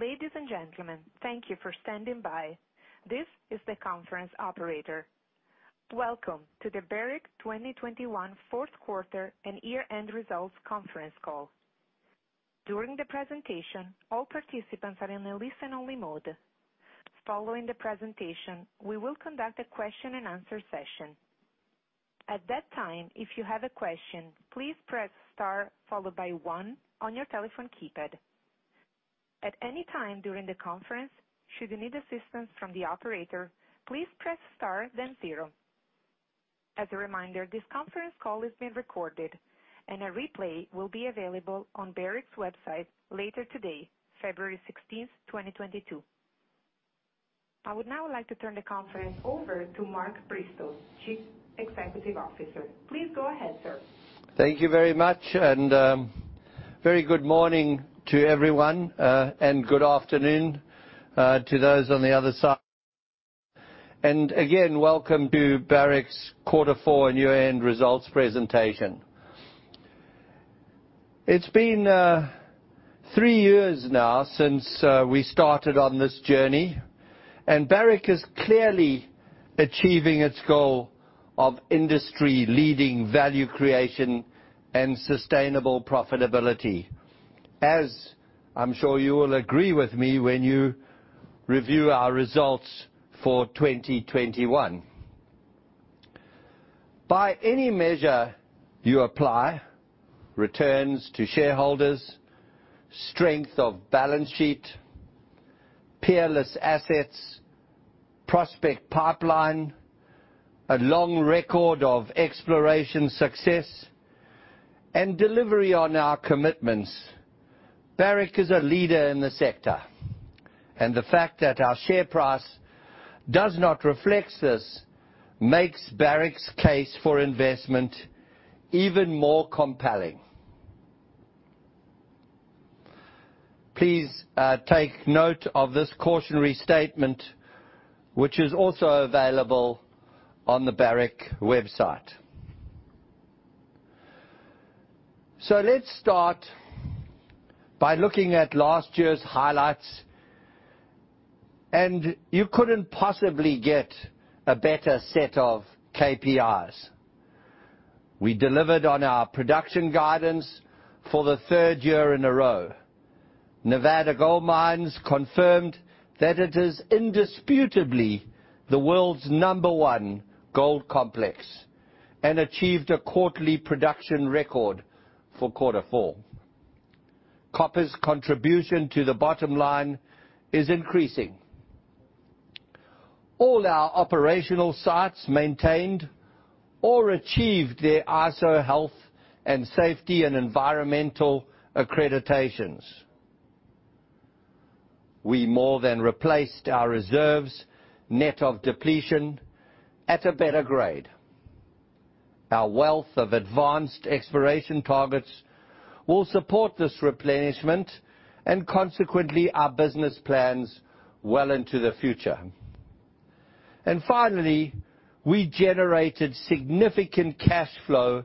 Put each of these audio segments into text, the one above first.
Ladies and gentlemen, thank you for standing by. This is the conference operator. Welcome to the Barrick 2021 Q4 and year-end results conference call. During the presentation, all participants are in a listen only mode. Following the presentation, we will conduct a question and answer session. At that time, if you have a question, please press star followed by one on your telephone keypad. At any time during the conference, should you need assistance from the operator, please press star then zero. As a reminder, this conference call is being recorded and a replay will be available on Barrick's website later today, February 16, 2022. I would now like to turn the conference over to Mark Bristow, Chief Executive Officer. Please go ahead, sir. Thank you very much and, very good morning to everyone, and good afternoon, to those on the other side. Again, welcome to Barrick's quarter four and year-end results presentation. It's been three years now since we started on this journey, and Barrick is clearly achieving its goal of industry leading value creation and sustainable profitability, as I'm sure you will agree with me when you review our results for 2021. By any measure you apply, returns to shareholders, strength of balance sheet, peerless assets, prospect pipeline, a long record of exploration success and delivery on our commitments, Barrick is a leader in the sector. The fact that our share price does not reflect this makes Barrick's case for investment even more compelling. Please, take note of this cautionary statement, which is also available on the Barrick website. Let's start by looking at last year's highlights, and you couldn't possibly get a better set of KPIs. We delivered on our production guidance for the third year in a row. Nevada Gold Mines confirmed that it is indisputably the world's number 1 gold complex and achieved a quarterly production record for quarter four. Copper's contribution to the bottom line is increasing. All our operational sites maintained or achieved their ISO health and safety and environmental accreditations. We more than replaced our reserves net of depletion at a better grade. Our wealth of advanced exploration targets will support this replenishment and consequently our business plans well into the future. Finally, we generated significant cash flow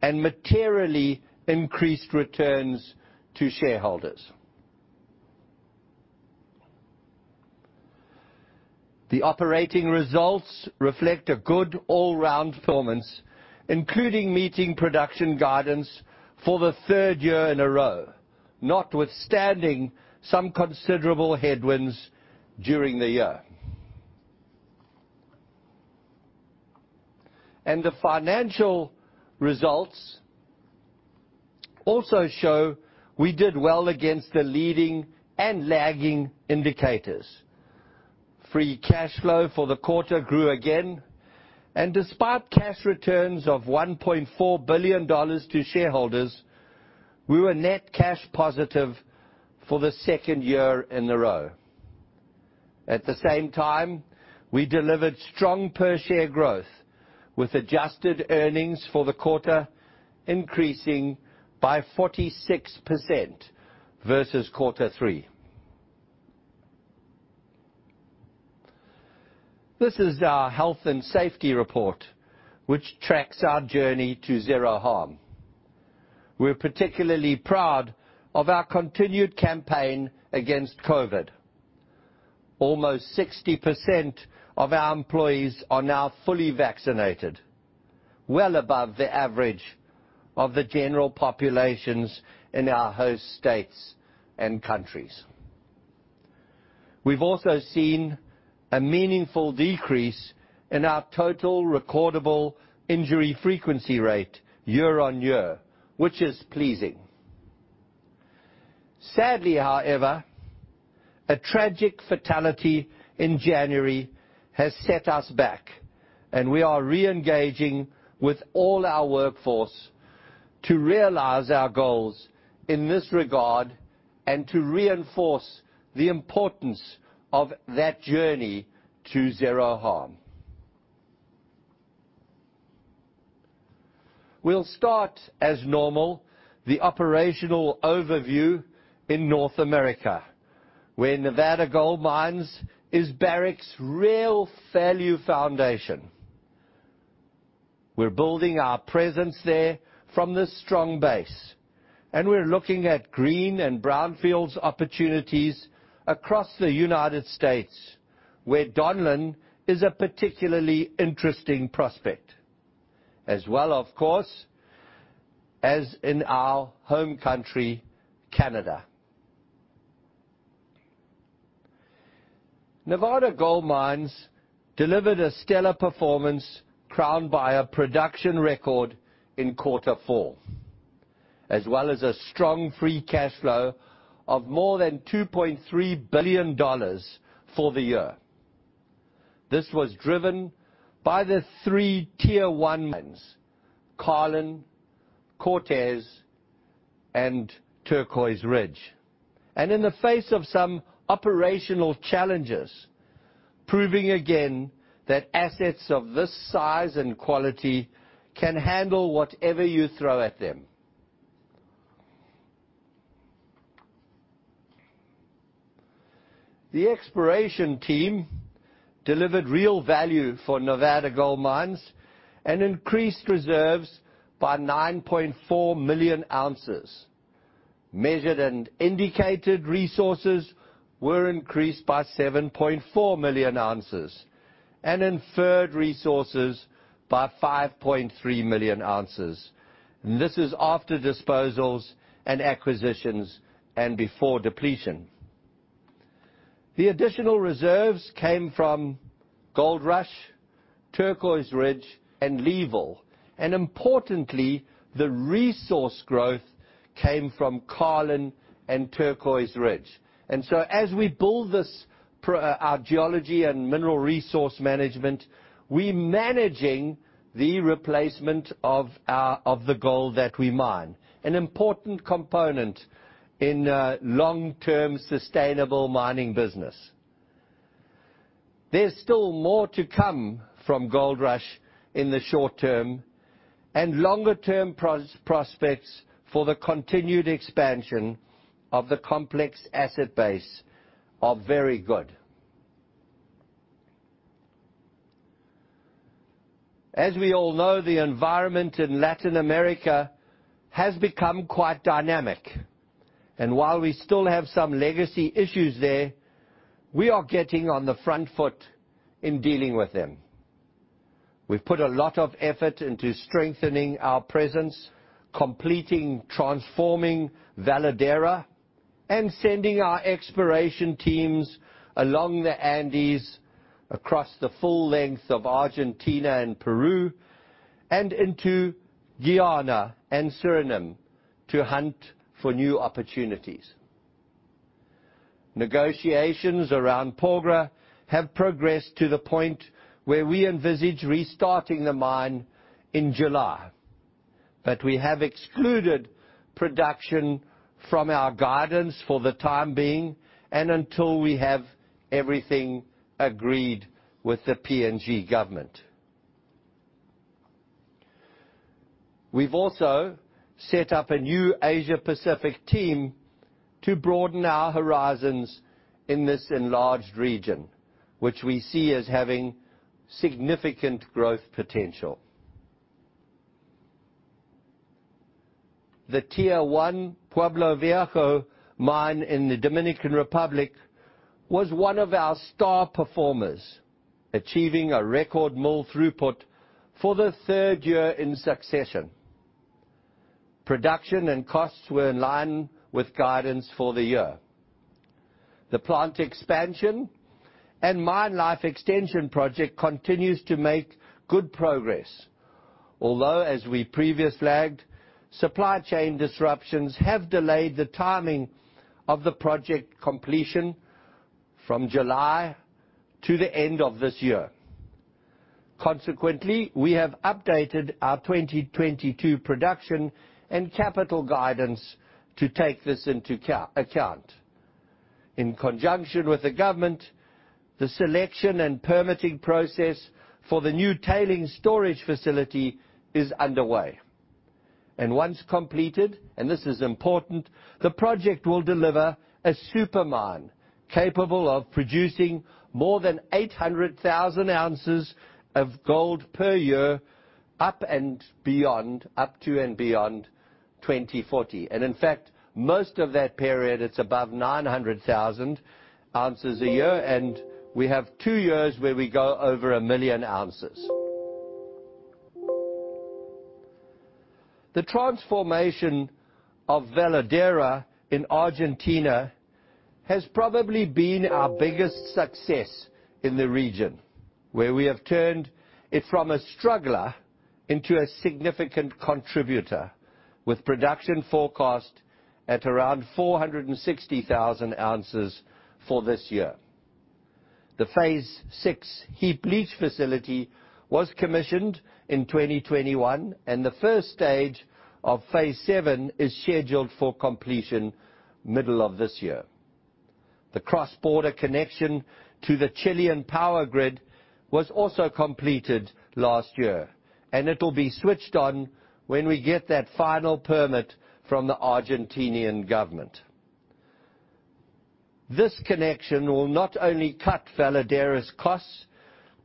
and materially increased returns to shareholders. The operating results reflect a good all-around performance, including meeting production guidance for the third year in a row, notwithstanding some considerable headwinds during the year. The financial results also show we did well against the leading and lagging indicators. Free cash flow for the quarter grew again, and despite cash returns of $1.4 billion to shareholders, we were net cash positive for the second year in a row. At the same time, we delivered strong per share growth with adjusted earnings for the quarter, increasing by 46% versus quarter three. This is our health and safety report, which tracks our journey to zero harm. We're particularly proud of our continued campaign against COVID. Almost 60% of our employees are now fully vaccinated, well above the average of the general populations in our host states and countries. We've also seen a meaningful decrease in our total recordable injury frequency rate year-over-year, which is pleasing. Sadly, however, a tragic fatality in January has set us back, and we are re-engaging with all our workforce to realize our goals in this regard and to reinforce the importance of that journey to zero harm. We'll start as normal, the operational overview in North America, where Nevada Gold Mines is Barrick's real value foundation. We're building our presence there from the strong base, and we're looking at green and brownfields opportunities across the United States, where Donlin is a particularly interesting prospect, as well, of course, as in our home country, Canada. Nevada Gold Mines delivered a stellar performance crowned by a production record in quarter four, as well as a strong free cash flow of more than $2.3 billion for the year. This was driven by the three tier one mines, Carlin, Cortez and Turquoise Ridge. In the face of some operational challenges, proving again that assets of this size and quality can handle whatever you throw at them. The exploration team delivered real value for Nevada Gold Mines and increased reserves by 9.4 million ounces. Measured and indicated resources were increased by 7.4 million ounces, and inferred resources by 5.3 million ounces. This is after disposals and acquisitions and before depletion. The additional reserves came from Gold Rush, Turquoise Ridge, and Leeville. Importantly, the resource growth came from Carlin and Turquoise Ridge. As we build our geology and mineral resource management, we managing the replacement of the gold that we mine, an important component in a long-term sustainable mining business. There's still more to come from Gold Rush in the short term and longer term prospects for the continued expansion of the complex asset base are very good. As we all know, the environment in Latin America has become quite dynamic, and while we still have some legacy issues there, we are getting on the front foot in dealing with them. We've put a lot of effort into strengthening our presence, completing transforming Veladero, and sending our exploration teams along the Andes across the full length of Argentina and Peru and into Guyana and Suriname to hunt for new opportunities. Negotiations around Porgera have progressed to the point where we envisage restarting the mine in July. We have excluded production from our guidance for the time being and until we have everything agreed with the PNG government. We've also set up a new Asia Pacific team to broaden our horizons in this enlarged region, which we see as having significant growth potential. The tier one Pueblo Viejo mine in the Dominican Republic was one of our star performers, achieving a record mill throughput for the third year in succession. Production and costs were in line with guidance for the year. The plant expansion and mine life extension project continues to make good progress, although, as we previously flagged, supply chain disruptions have delayed the timing of the project completion from July to the end of this year. Consequently, we have updated our 2022 production and capital guidance to take this into account. In conjunction with the government, the selection and permitting process for the new tailings storage facility is underway. Once completed, and this is important, the project will deliver a super mine capable of producing more than 800,000 ounces of gold per year, up and beyond, up to and beyond 2040. In fact, most of that period, it's above 900,000 ounces a year, and we have two years where we go over 1 million ounces. The transformation of Veladero in Argentina has probably been our biggest success in the region, where we have turned it from a struggler into a significant contributor with production forecast at around 460,000 ounces for this year. The phase 6 heap leach facility was commissioned in 2021, and the first stage of phase 7 is scheduled for completion middle of this year. The cross-border connection to the Chilean power grid was also completed last year, and it'll be switched on when we get that final permit from the Argentinian government. This connection will not only cut Veladero's costs,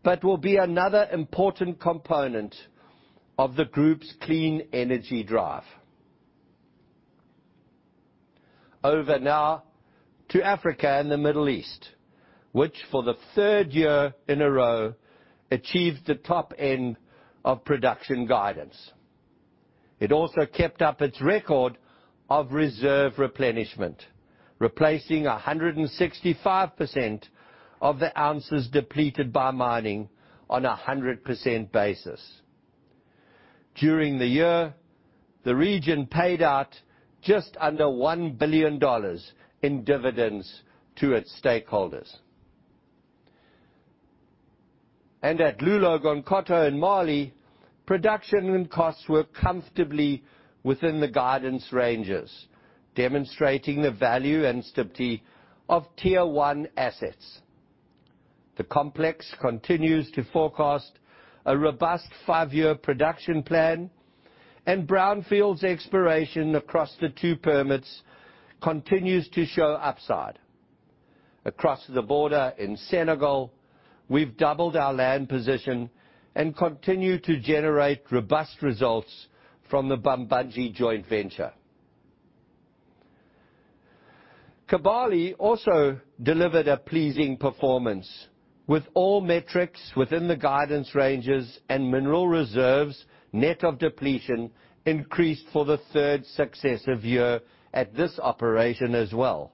but will be another important component of the Group's clean energy drive. Over now to Africa and the Middle East, which for the third year in a row achieved the top end of production guidance. It also kept up its record of reserve replenishment, replacing 165% of the ounces depleted by mining on a 100% basis. During the year, the region paid out just under $1 billion in dividends to its stakeholders. At Loulo-Gounkoto in Mali, production and costs were comfortably within the guidance ranges, demonstrating the value and stability of Tier One assets. The complex continues to forecast a robust five-year production plan, and brownfields exploration across the two permits continues to show upside. Across the border in Senegal, we've doubled our land position and continue to generate robust results from the Bambadji joint venture. Kibali also delivered a pleasing performance, with all metrics within the guidance ranges and mineral reserves net of depletion increased for the third successive year at this operation as well.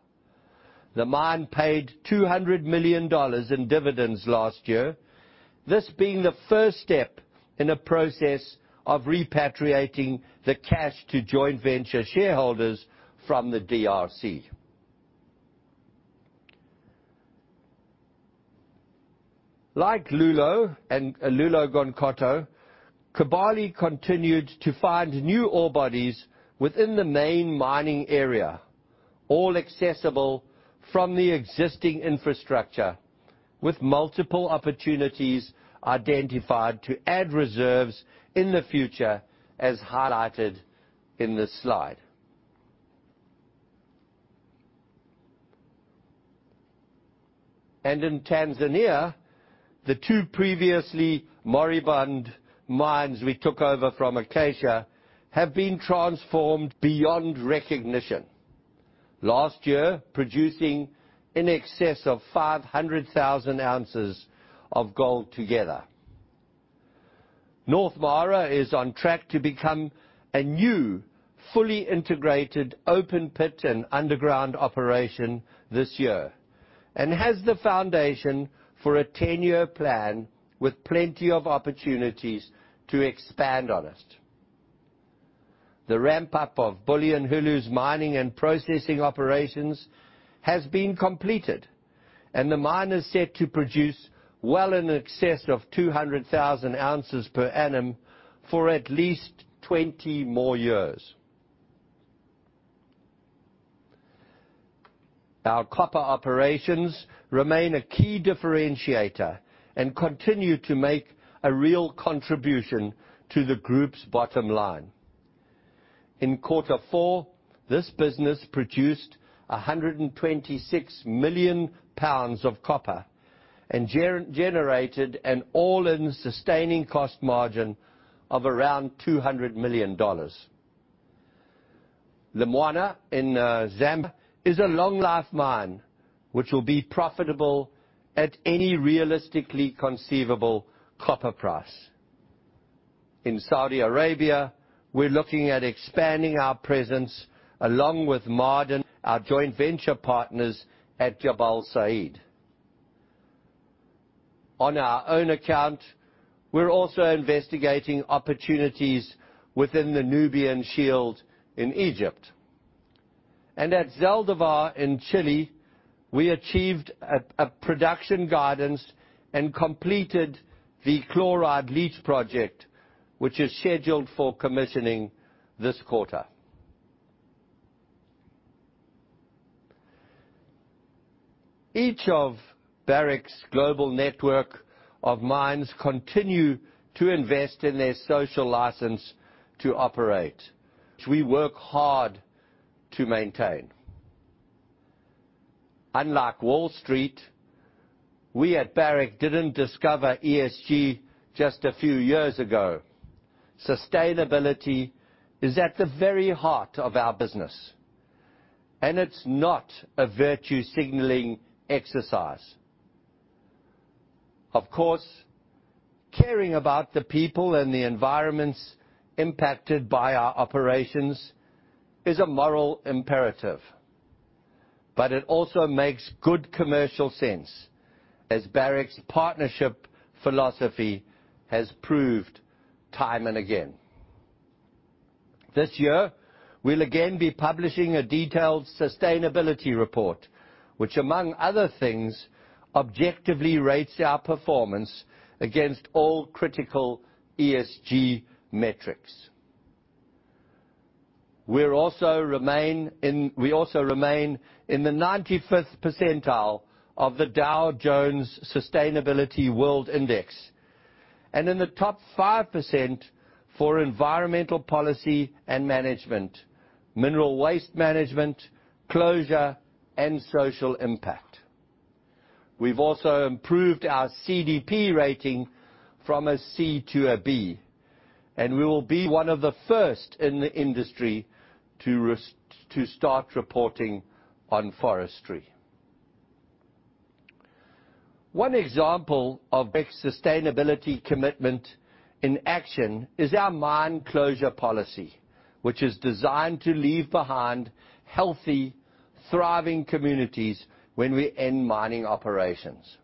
The mine paid $200 million in dividends last year, this being the first step in a process of repatriating the cash to joint venture shareholders from the DRC. Like Loulo and Loulo-Gounkoto, Kibali continued to find new ore bodies within the main mining area, all accessible from the existing infrastructure, with multiple opportunities identified to add reserves in the future, as highlighted in this slide. In Tanzania, the two previously moribund mines we took over from Acacia have been transformed beyond recognition, last year producing in excess of 500,000 ounces of gold together. North Mara is on track to become a new, fully integrated open pit and underground operation this year, and has the foundation for a 10-year plan with plenty of opportunities to expand on it. The ramp-up of Bulyanhulu's mining and processing operations has been completed, and the mine is set to produce well in excess of 200,000 ounces per annum for at least 20 more years. Our copper operations remain a key differentiator and continue to make a real contribution to the group's bottom line. In quarter four, this business produced 126 million pounds of copper and generated an all-in sustaining cost margin of around $200 million. Lumwana in Zambia is a long life mine which will be profitable at any realistically conceivable copper price. In Saudi Arabia, we're looking at expanding our presence along with Ma'aden, our joint venture partners at Jabal Sayid. On our own account, we're also investigating opportunities within the Nubian Shield in Egypt. At Zaldívar in Chile, we achieved production guidance and completed the chloride leach project, which is scheduled for commissioning this quarter. Each of Barrick's global network of mines continue to invest in their social license to operate, which we work hard to maintain. Unlike Wall Street, we at Barrick didn't discover ESG just a few years ago. Sustainability is at the very heart of our business, and it's not a virtue signaling exercise. Of course, caring about the people and the environments impacted by our operations is a moral imperative, but it also makes good commercial sense as Barrick's partnership philosophy has proved time and again. This year, we'll again be publishing a detailed sustainability report, which among other things, objectively rates our performance against all critical ESG metrics. We also remain in the 95th percentile of the Dow Jones Sustainability World Index. In the top 5% for environmental policy and management, mineral waste management, closure, and social impact. We've also improved our CDP rating from a C to a B, and we will be one of the first in the industry to start reporting on forestry. One example of Barrick's sustainability commitment in action is our mine closure policy, which is designed to leave behind healthy, thriving communities when we end mining operations.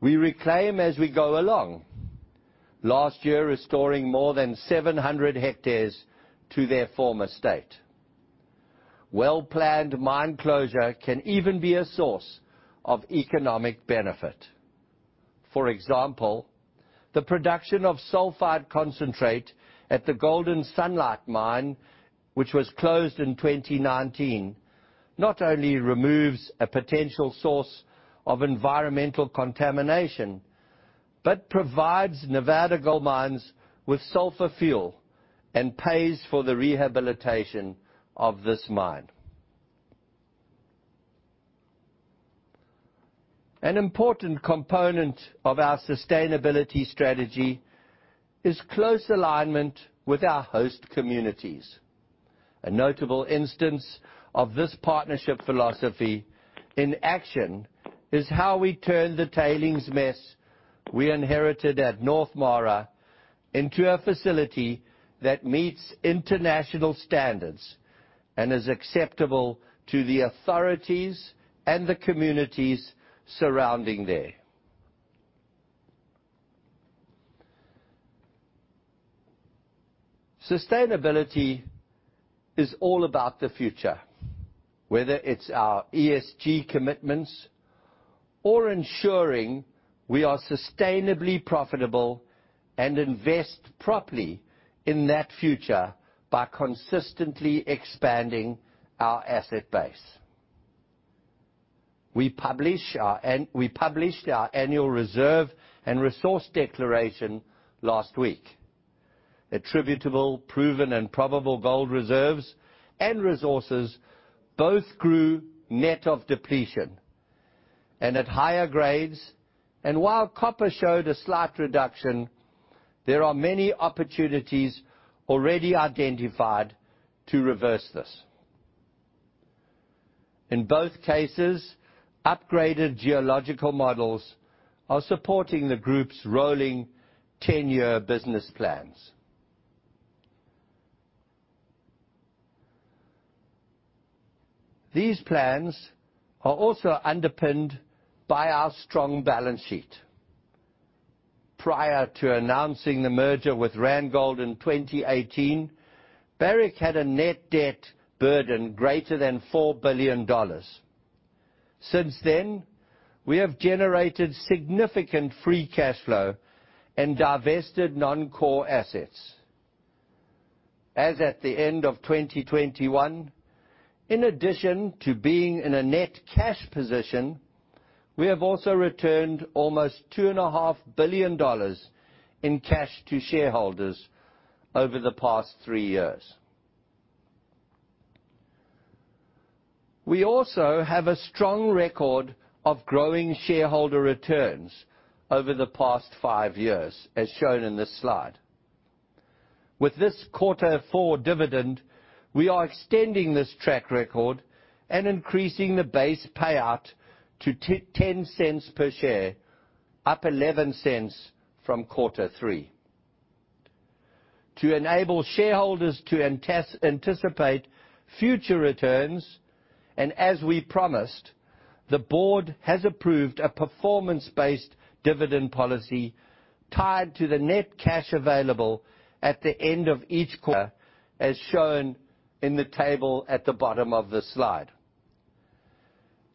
We reclaim as we go along, last year restoring more than 700 hectares to their former state. Well-planned mine closure can even be a source of economic benefit. For example, the production of sulfide concentrate at the Golden Sunlight mine, which was closed in 2019, not only removes a potential source of environmental contamination, but provides Nevada Gold Mines with sulfur fuel and pays for the rehabilitation of this mine. An important component of our sustainability strategy is close alignment with our host communities. A notable instance of this partnership philosophy in action is how we turned the tailings mess we inherited at North Mara into a facility that meets international standards and is acceptable to the authorities and the communities surrounding there. Sustainability is all about the future, whether it's our ESG commitments or ensuring we are sustainably profitable and invest properly in that future by consistently expanding our asset base. We published our annual reserve and resource declaration last week. Attributable proven and probable gold reserves and resources both grew net of depletion and at higher grades. While copper showed a slight reduction, there are many opportunities already identified to reverse this. In both cases, upgraded geological models are supporting the group's rolling ten-year business plans. These plans are also underpinned by our strong balance sheet. Prior to announcing the merger with Randgold in 2018, Barrick had a net debt burden greater than $4 billion. Since then, we have generated significant free cash flow and divested non-core assets. As at the end of 2021, in addition to being in a net cash position, we have also returned almost $2.5 billion in cash to shareholders over the past 3 years. We also have a strong record of growing shareholder returns over the past 5 years, as shown in this slide. With this quarter four dividend, we are extending this track record and increasing the base payout to 10 cents per share, up 11 cents from quarter three. To enable shareholders to anticipate future returns, and as we promised, the board has approved a performance-based dividend policy tied to the net cash available at the end of each quarter, as shown in the table at the bottom of the slide.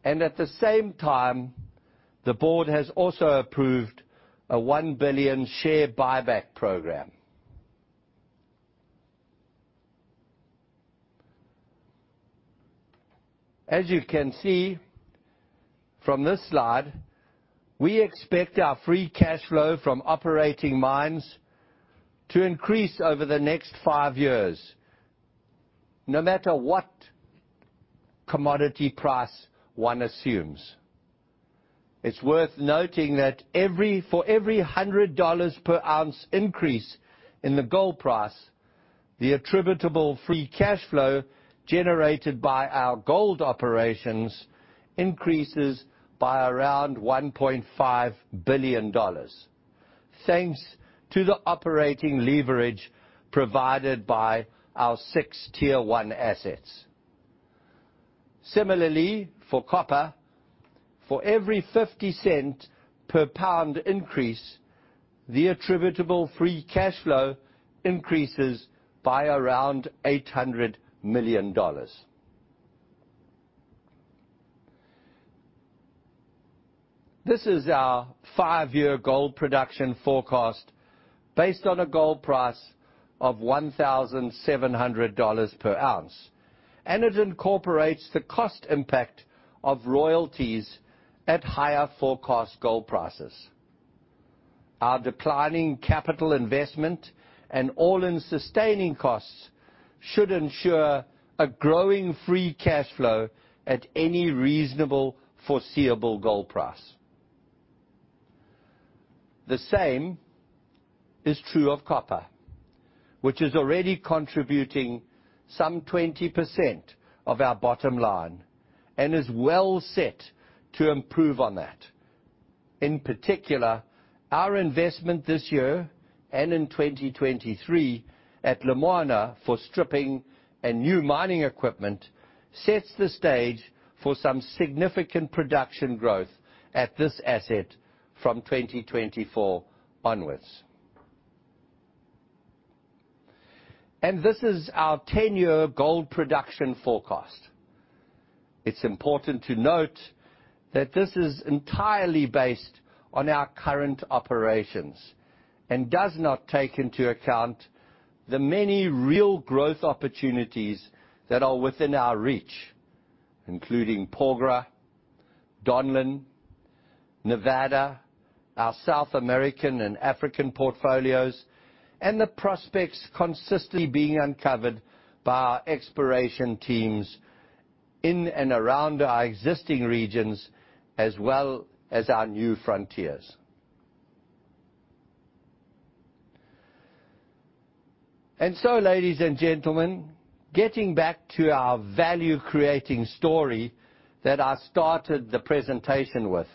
At the same time, the board has also approved a $1 billion share buyback program. As you can see from this slide, we expect our free cash flow from operating mines to increase over the next 5 years, no matter what commodity price one assumes. It's worth noting that for every $100 per ounce increase in the gold price, the attributable free cash flow generated by our gold operations increases by around $1.5 billion, thanks to the operating leverage provided by our six tier-one assets. Similarly, for copper, for every 50 cent per pound increase, the attributable free cash flow increases by around $800 million. This is our 5-year gold production forecast. Based on a gold price of $1,700 per ounce, and it incorporates the cost impact of royalties at higher forecast gold prices. Our declining capital investment and all-in sustaining costs should ensure a growing free cash flow at any reasonable foreseeable gold price. The same is true of copper, which is already contributing some 20% of our bottom line and is well set to improve on that. In particular, our investment this year and in 2023 at Lumwana for stripping and new mining equipment sets the stage for some significant production growth at this asset from 2024 onwards. This is our 10-year gold production forecast. It's important to note that this is entirely based on our current operations and does not take into account the many real growth opportunities that are within our reach, including Porgera, Donlin, Nevada, our South American and African portfolios, and the prospects consistently being uncovered by our exploration teams in and around our existing regions as well as our new frontiers. Ladies and gentlemen, getting back to our value-creating story that I started the presentation with.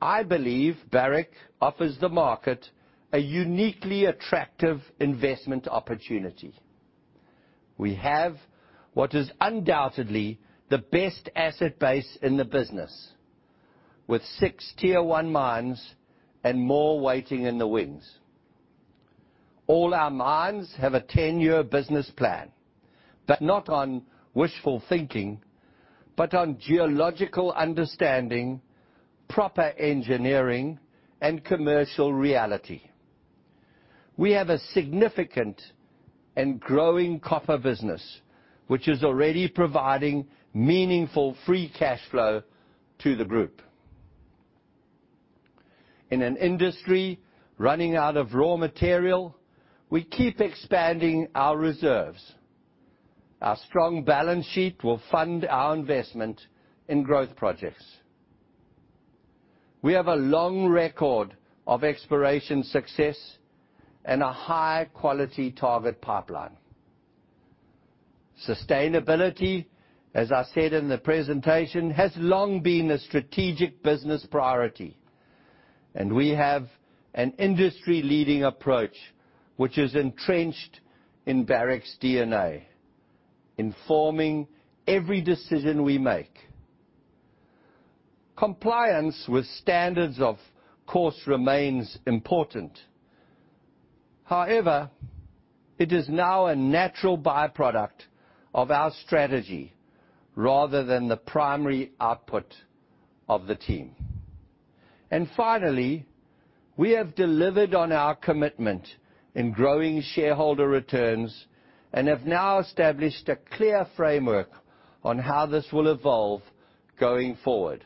I believe Barrick offers the market a uniquely attractive investment opportunity. We have what is undoubtedly the best asset base in the business, with six Tier One mines and more waiting in the wings. All our mines have a 10-year business plan, but not on wishful thinking, but on geological understanding, proper engineering, and commercial reality. We have a significant and growing copper business, which is already providing meaningful free cash flow to the group. In an industry running out of raw material, we keep expanding our reserves. Our strong balance sheet will fund our investment in growth projects. We have a long record of exploration success and a high-quality target pipeline. Sustainability, as I said in the presentation, has long been a strategic business priority, and we have an industry-leading approach which is entrenched in Barrick's DNA, informing every decision we make. Compliance with standards, of course, remains important. However, it is now a natural by-product of our strategy rather than the primary output of the team. Finally, we have delivered on our commitment in growing shareholder returns and have now established a clear framework on how this will evolve going forward.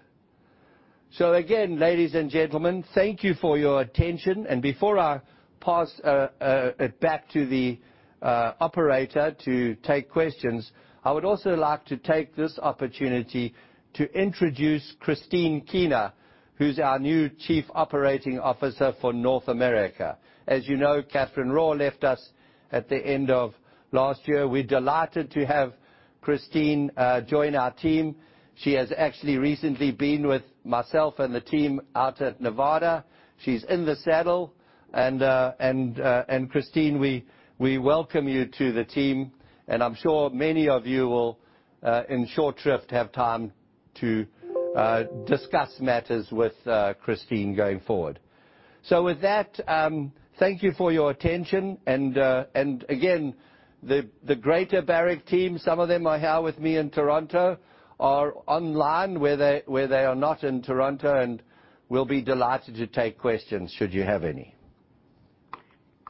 Again, ladies and gentlemen, thank you for your attention. Before I pass it back to the operator to take questions, I would also like to take this opportunity to introduce Christine Keener, who's our new Chief Operating Officer, North America. As you know, Catherine Raw left us at the end of last year. We're delighted to have Christine join our team. She has actually recently been with myself and the team out at Nevada. She's in the saddle. Christine, we welcome you to the team. I'm sure many of you will, in short shrift, have time to discuss matters with Christine going forward. With that, thank you for your attention. Again, the greater Barrick team, some of them are here with me in Toronto, are online where they are not in Toronto, and we'll be delighted to take questions should you have any.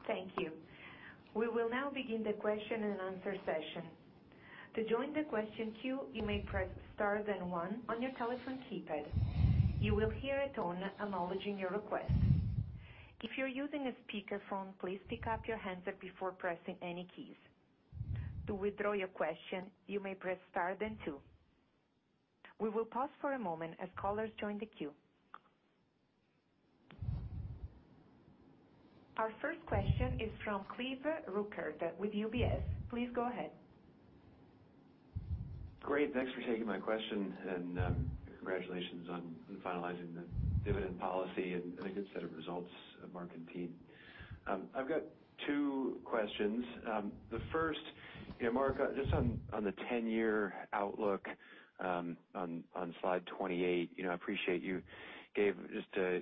Thank you. We will now begin the question and answer session. To join the question queue, you may press star then one on your telephone keypad. You will hear a tone acknowledging your request. If you're using a speakerphone, please pick up your handset before pressing any keys. To withdraw your question, you may press star then two. We will pause for a moment as callers join the queue. Our first question is from Cleve Rueckert with UBS. Please go ahead. Great. Thanks for taking my question, and congratulations on finalizing the dividend policy and a good set of results, Mark and team. I've got two questions. The first, you know, Mark, just on the 10-year outlook, on slide 28, you know, I appreciate you gave just a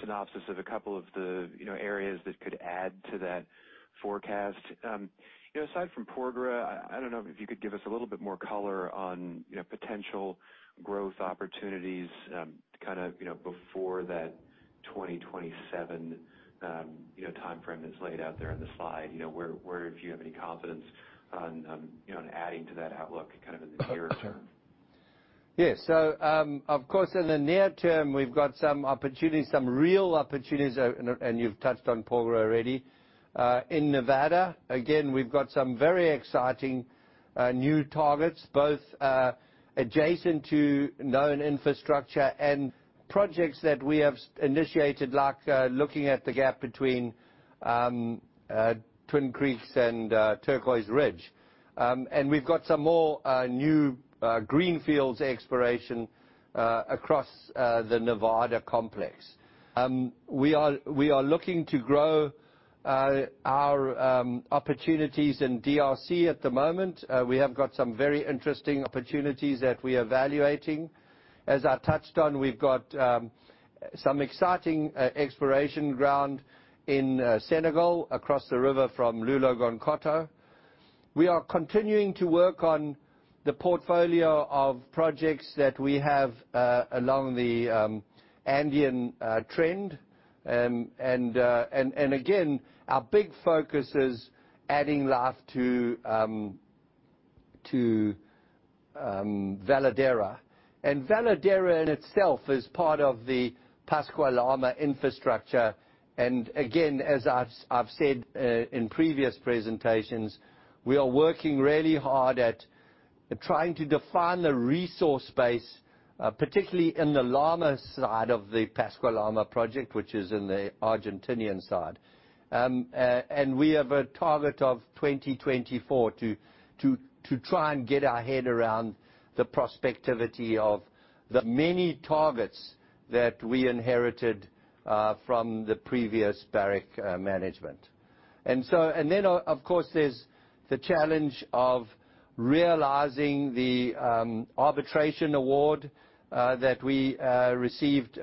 synopsis of a couple of the areas that could add to that forecast. You know, aside from Porgera, I don't know if you could give us a little bit more color on potential growth opportunities, kind of, you know, before that 2027 timeframe that's laid out there in the slide. You know, where if you have any confidence on adding to that outlook kind of in the near term? Of course, in the near term, we've got some opportunities, some real opportunities, and you've touched on Porgera already. In Nevada, again, we've got some very exciting new targets, both adjacent to known infrastructure and projects that we have initiated, like looking at the gap between Twin Creeks and Turquoise Ridge. We've got some more new greenfields exploration across the Nevada complex. We are looking to grow our opportunities in DRC at the moment. We have got some very interesting opportunities that we are evaluating. As I touched on, we've got some exciting exploration ground in Senegal, across the river from Loulo-Gounkoto. We are continuing to work on the portfolio of projects that we have along the Andean trend. Again, our big focus is adding life to Veladero. Veladero in itself is part of the Pascua-Lama infrastructure. Again, as I've said in previous presentations, we are working really hard at trying to define the resource base, particularly in the Lama side of the Pascua-Lama project, which is in the Argentine side. We have a target of 2024 to try and get our head around the prospectivity of the many targets that we inherited from the previous Barrick management. Of course, there's the challenge of realizing the arbitration award that we received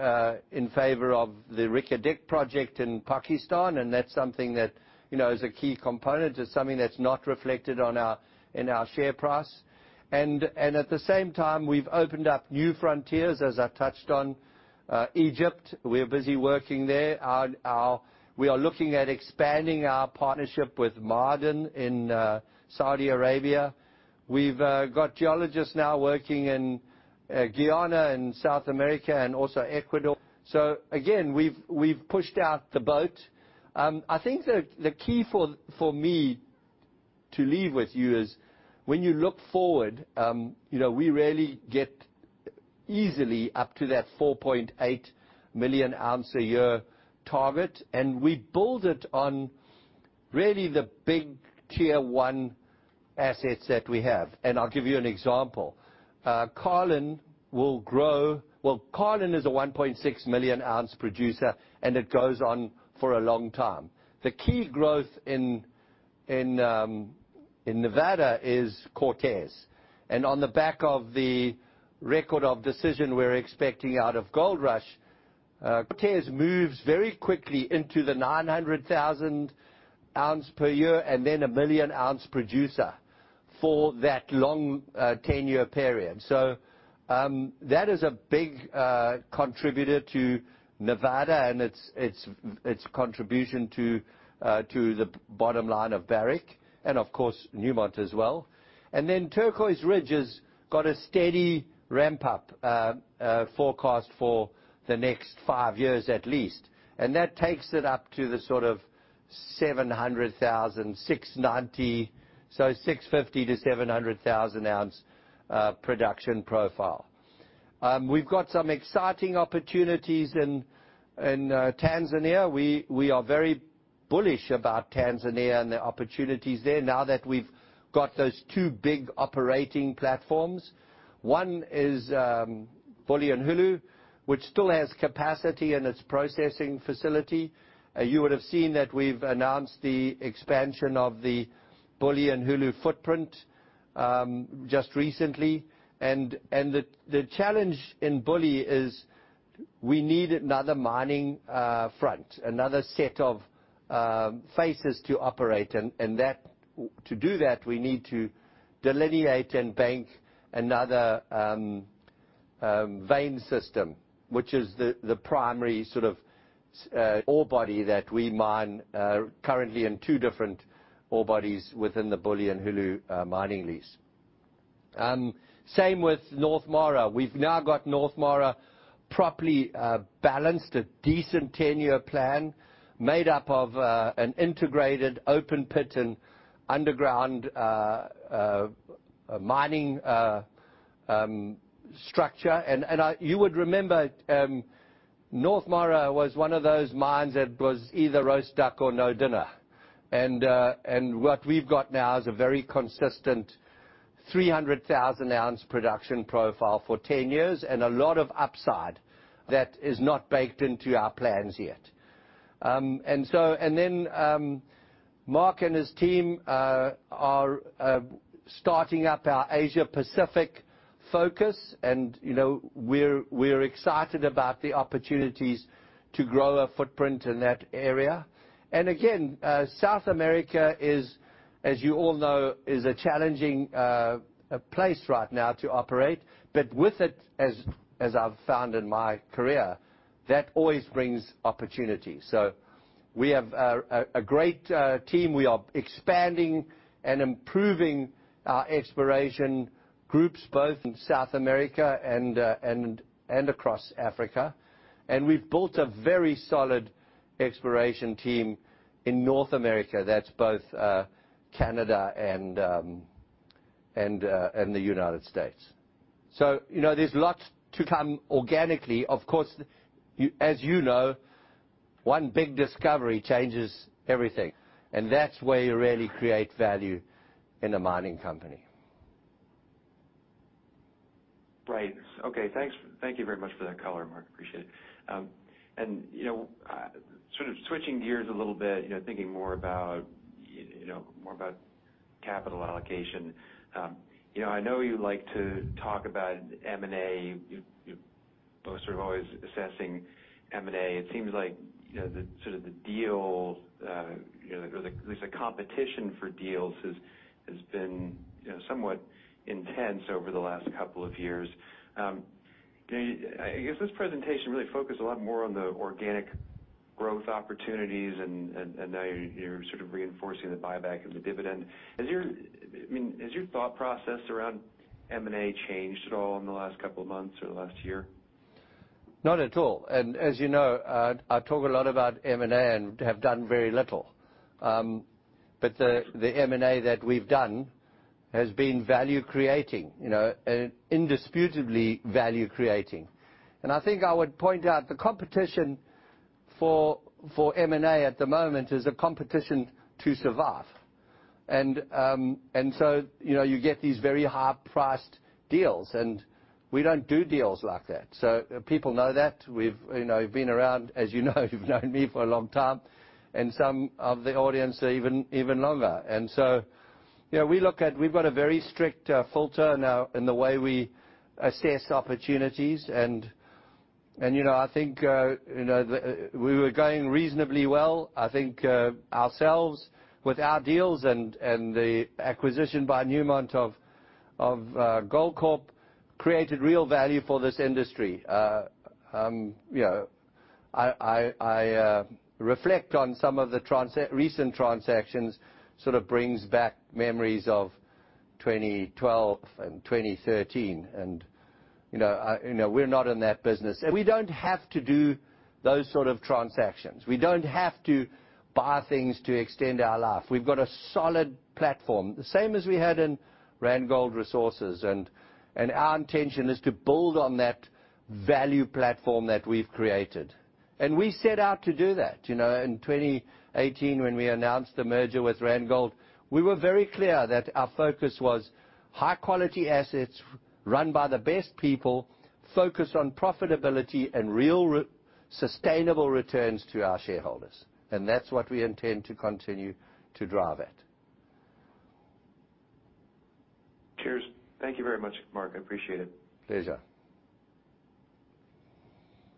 in favor of the Reko Diq project in Pakistan, and that's something that, you know, is a key component. It's something that's not reflected in our share price. At the same time, we've opened up new frontiers, as I've touched on. Egypt, we're busy working there. We are looking at expanding our partnership with Ma'aden in Saudi Arabia. We've got geologists now working in Guyana and South America and also Ecuador. Again, we've pushed out the boat. I think the key for me to leave with you is when you look forward, you know, we really get easily up to that 4.8 million ounce a year target, and we build it on really the big tier one assets that we have. I'll give you an example. Well, Carlin is a 1.6 million ounce producer, and it goes on for a long time. The key growth in Nevada is Cortez. On the back of the record of decision we're expecting out of Gold Rush, Cortez moves very quickly into the 900,000 ounce per year and then a 1 million ounce producer for that long, 10-year period. That is a big contributor to Nevada and its contribution to the bottom line of Barrick and of course Newmont as well. Turquoise Ridge has got a steady ramp up forecast for the next 5 years at least. That takes it up to the sort of 700,000, 690, so 650,000-700,000 ounce production profile. We've got some exciting opportunities in Tanzania. We are very bullish about Tanzania and the opportunities there now that we've got those two big operating platforms. One is Bulyanhulu, which still has capacity in its processing facility. You would have seen that we've announced the expansion of the Bulyanhulu footprint just recently. The challenge in Buli is we need another mining front, another set of faces to operate. To do that, we need to delineate and bank another vein system, which is the primary sort of ore body that we mine currently in two different ore bodies within the Bulyanhulu mining lease. Same with North Mara. We've now got North Mara properly balanced, a decent 10-year plan made up of an integrated open pit and underground mining structure. You would remember, North Mara was one of those mines that was either roast duck or no dinner. What we've got now is a very consistent 300,000 ounce production profile for 10 years and a lot of upside that is not baked into our plans yet. Mark and his team are starting up our Asia Pacific focus and, you know, we're excited about the opportunities to grow a footprint in that area. South America, as you all know, is a challenging place right now to operate. With it, as I've found in my career, that always brings opportunity. We have a great team. We are expanding and improving our exploration groups both in South America and across Africa. We've built a very solid exploration team in North America, that's both Canada and the United States. You know, there's lots to come organically. Of course, as you know, one big discovery changes everything, and that's where you really create value in a mining company. Right. Okay, thanks. Thank you very much for that color, Mark. Appreciate it. You know, sort of switching gears a little bit, you know, thinking more about capital allocation. You know, I know you like to talk about M&A. You sort of always assessing M&A. It seems like, you know, the sort of deals, you know, or at least the competition for deals has been, you know, somewhat intense over the last couple of years. I guess this presentation really focused a lot more on the organic growth opportunities and now you're sort of reinforcing the buyback and the dividend. I mean, has your thought process around M&A changed at all in the last couple of months or the last year? Not at all. As you know, I talk a lot about M&A and have done very little. But the M&A that we've done has been value creating, you know, indisputably value creating. I think I would point out the competition for M&A at the moment is a competition to survive. You know, you get these very high-priced deals, and we don't do deals like that. People know that. We've been around, as you know, you've known me for a long time, and some of the audience even longer. You know, we look at. We've got a very strict filter now in the way we assess opportunities. You know, I think, you know, we were going reasonably well. I think of ourselves with our deals and the acquisition by Newmont of Goldcorp created real value for this industry. You know, I reflect on some of the recent transactions, sort of brings back memories of 2012 and 2013. You know, we're not in that business. We don't have to do those sort of transactions. We don't have to buy things to extend our life. We've got a solid platform, the same as we had in Randgold Resources. Our intention is to build on that value platform that we've created. We set out to do that. You know, in 2018, when we announced the merger with Randgold, we were very clear that our focus was high quality assets run by the best people, focused on profitability and sustainable returns to our shareholders. That's what we intend to continue to drive at. Cheers. Thank you very much, Mark. I appreciate it. Pleasure.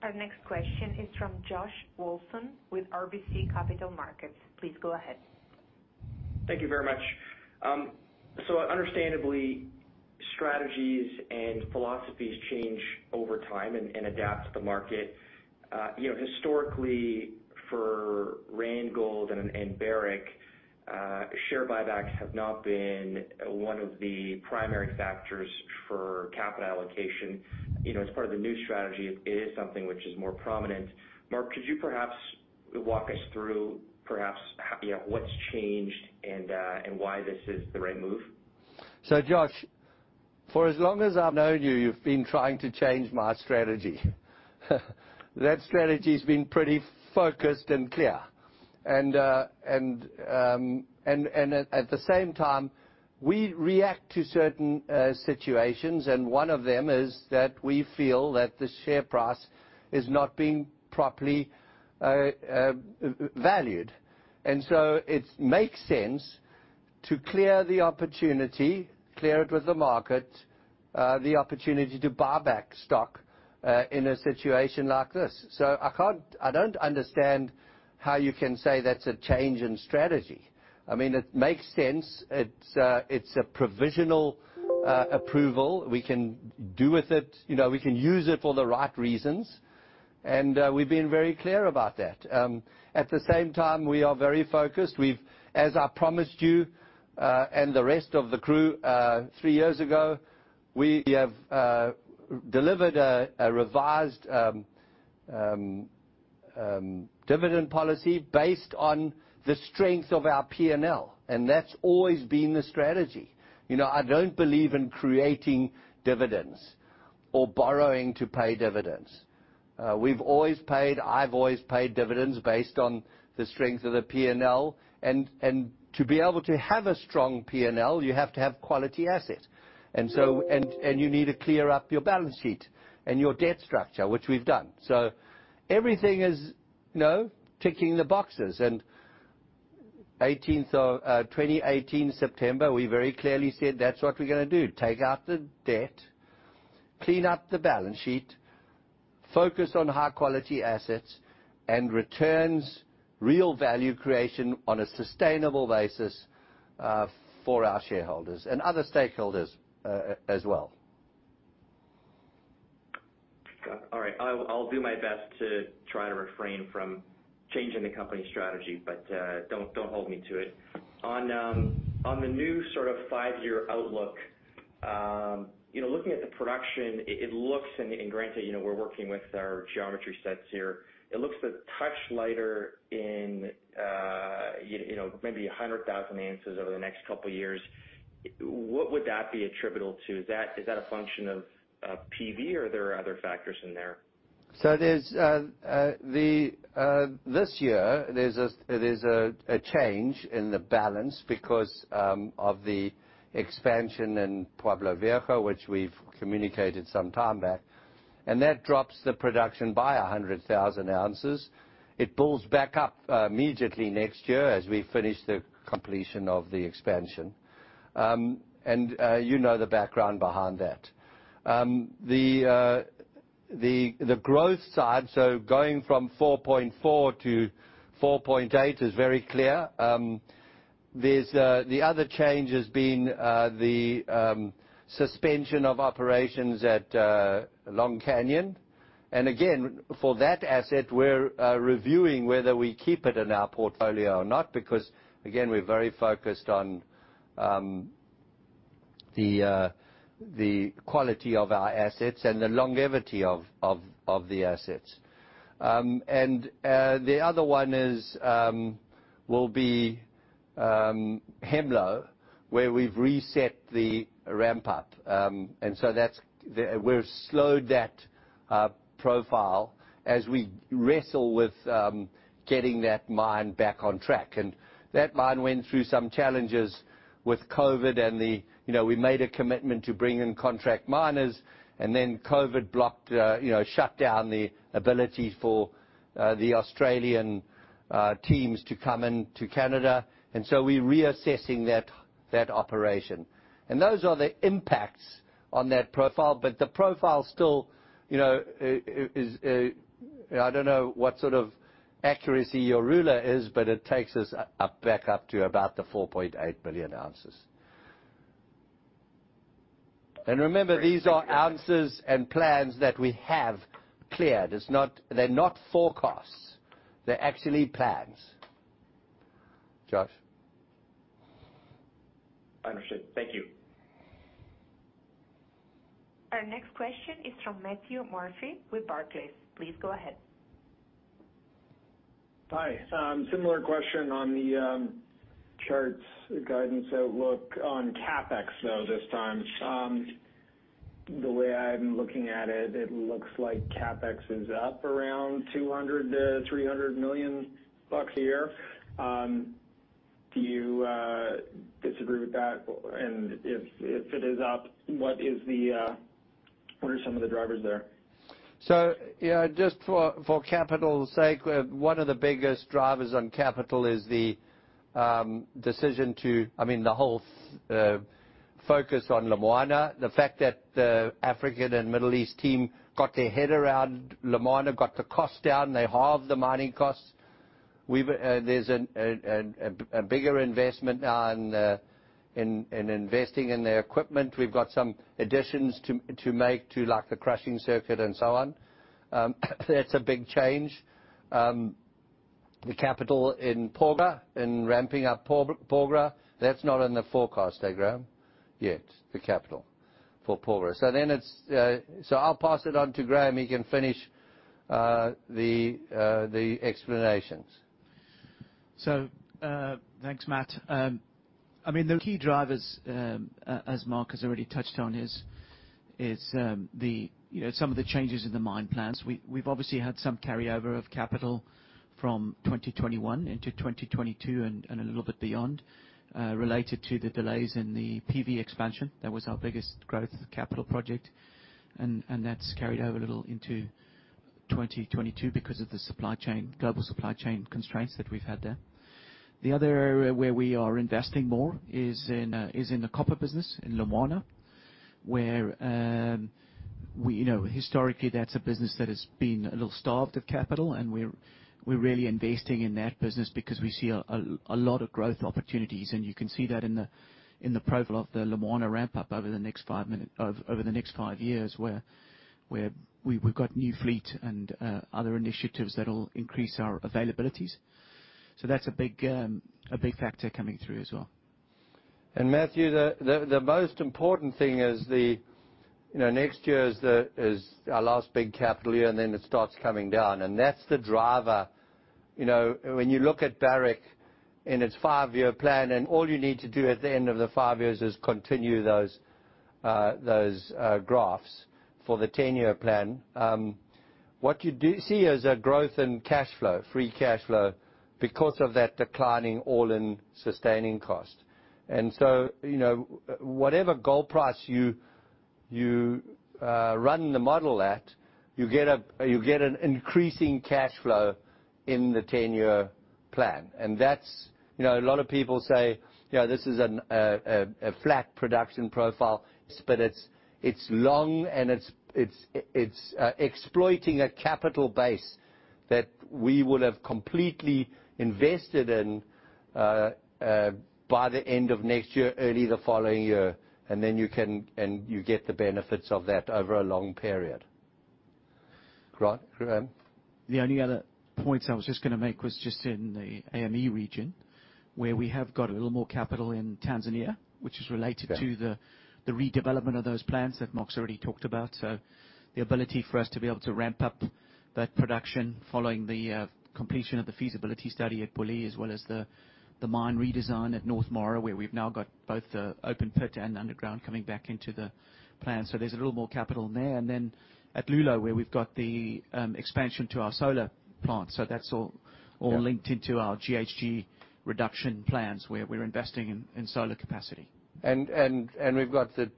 Our next question is from Josh Wolfson with RBC Capital Markets. Please go ahead. Thank you very much. Understandably, strategies and philosophies change over time and adapt to the market. You know, historically for Randgold and Barrick, share buybacks have not been one of the primary factors for capital allocation. You know, as part of the new strategy, it is something which is more prominent. Mark, could you perhaps walk us through, you know, what's changed and why this is the right move? Josh, for as long as I've known you've been trying to change my strategy. That strategy's been pretty focused and clear. At the same time, we react to certain situations, and one of them is that we feel that the share price is not being properly valued. It makes sense to seize the opportunity, share it with the market, the opportunity to buy back stock, in a situation like this. I don't understand how you can say that's a change in strategy. I mean, it makes sense. It's a provisional approval. We can do with it. You know, we can use it for the right reasons, and we've been very clear about that. At the same time, we are very focused. We've as I promised you and the rest of the crew three years ago we have delivered a revised dividend policy based on the strength of our P&L, and that's always been the strategy. You know, I don't believe in creating dividends or borrowing to pay dividends. We've always paid. I've always paid dividends based on the strength of the P&L. To be able to have a strong P&L, you have to have quality assets. You need to clear up your balance sheet and your debt structure, which we've done. Everything is you know ticking the boxes. 18th of September 2018, we very clearly said that's what we're gonna do, take out the debt, clean up the balance sheet, focus on high quality assets and returns real value creation on a sustainable basis, for our shareholders and other stakeholders, as well. All right. I'll do my best to try to refrain from changing the company strategy, but don't hold me to it. On the new sort of five-year outlook, you know, looking at the production, it looks and granted, you know, we're working with our geometry sets here. It looks a touch lighter in, you know, maybe 100,000 ounces over the next couple of years. What would that be attributable to? Is that a function of PV or there are other factors in there? There's a change in the balance because of the expansion in Pueblo Viejo, which we've communicated some time back. That drops the production by 100,000 ounces. It pulls back up immediately next year as we finish the completion of the expansion. You know the background behind that. The growth side, going from 4.4-4.8 is very clear. There's the other change has been the suspension of operations at Long Canyon. Again, for that asset, we're reviewing whether we keep it in our portfolio or not, because again, we're very focused on the quality of our assets and the longevity of the assets. The other one will be Hemlo, where we've reset the ramp up. We've slowed that profile as we wrestle with getting that mine back on track. That mine went through some challenges with COVID and, you know, we made a commitment to bring in contract miners, and then COVID blocked, you know, shut down the ability for the Australian teams to come into Canada. We're reassessing that operation. Those are the impacts on that profile, but the profile still, you know, is. I don't know what sort of accuracy your ruler is, but it takes us back up to about 4.8 billion ounces. Remember, these are ounces and plans that we have cleared. They're not forecasts. They're actually plans. Josh? I understand. Thank you. Our next question is from Matthew Murphy with Barclays. Please go ahead. Hi. Similar question on the charts guidance outlook on CapEx, though this time. The way I'm looking at it looks like CapEx is up around $200 million-$300 million a year. Do you disagree with that? If it is up, what are some of the drivers there? Yeah, just for capital's sake, one of the biggest drivers on capital is I mean, the whole focus on Lumwana. The fact that the African and Middle East team got their head around Lumwana, got the costs down, they halved the mining costs. There's a bigger investment now in investing in their equipment. We've got some additions to make to like the crushing circuit and so on. That's a big change. The capital in Porgera, in ramping up Porgera, that's not in the forecast, Grant, yet, the capital for Porgera. I'll pass it on to Graham. He can finish the explanations. Thanks, Matt. I mean, the key drivers, as Mark has already touched on, is you know, some of the changes in the mine plans. We've obviously had some carryover of capital from 2021 into 2022 and a little bit beyond, related to the delays in the PV expansion. That was our biggest growth capital project, and that's carried over a little into 2022 because of the supply chain, global supply chain constraints that we've had there. The other area where we are investing more is in the copper business in Lumwana, where we, you know, historically, that's a business that has been a little starved of capital, and we're really investing in that business because we see a lot of growth opportunities. You can see that in the profile of the Lumwana ramp-up over the next five years, where we've got new fleet and other initiatives that will increase our availabilities. That's a big factor coming through as well. Matthew, the most important thing is the, you know, next year is our last big capital year, and then it starts coming down. That's the driver. You know, when you look at Barrick in its five-year plan, and all you need to do at the end of the five years is continue those graphs for the ten-year plan. What you do see is a growth in cash flow, free cash flow, because of that declining all-in sustaining cost. You know, whatever gold price you run the model at, you get an increasing cash flow in the ten-year plan. That's, you know, a lot of people say, you know, this is a flat production profile, but it's long and it's exploiting a capital base that we will have completely invested in by the end of next year, early the following year. Then you can get the benefits of that over a long period. Great. Graham? The only other points I was just gonna make in the AME region, where we have got a little more capital in Tanzania, which is related. Yeah. to the redevelopment of those plans that Mark's already talked about. The ability for us to be able to ramp up that production following the completion of the feasibility study at Bulyanhulu, as well as the mine redesign at North Mara, where we've now got both the open pit and underground coming back into the plan. There's a little more capital in there. Then at Loulo, where we've got the expansion to our solar plant. That's all linked- Yeah Into our GHG reduction plans, where we're investing in solar capacity. We've got the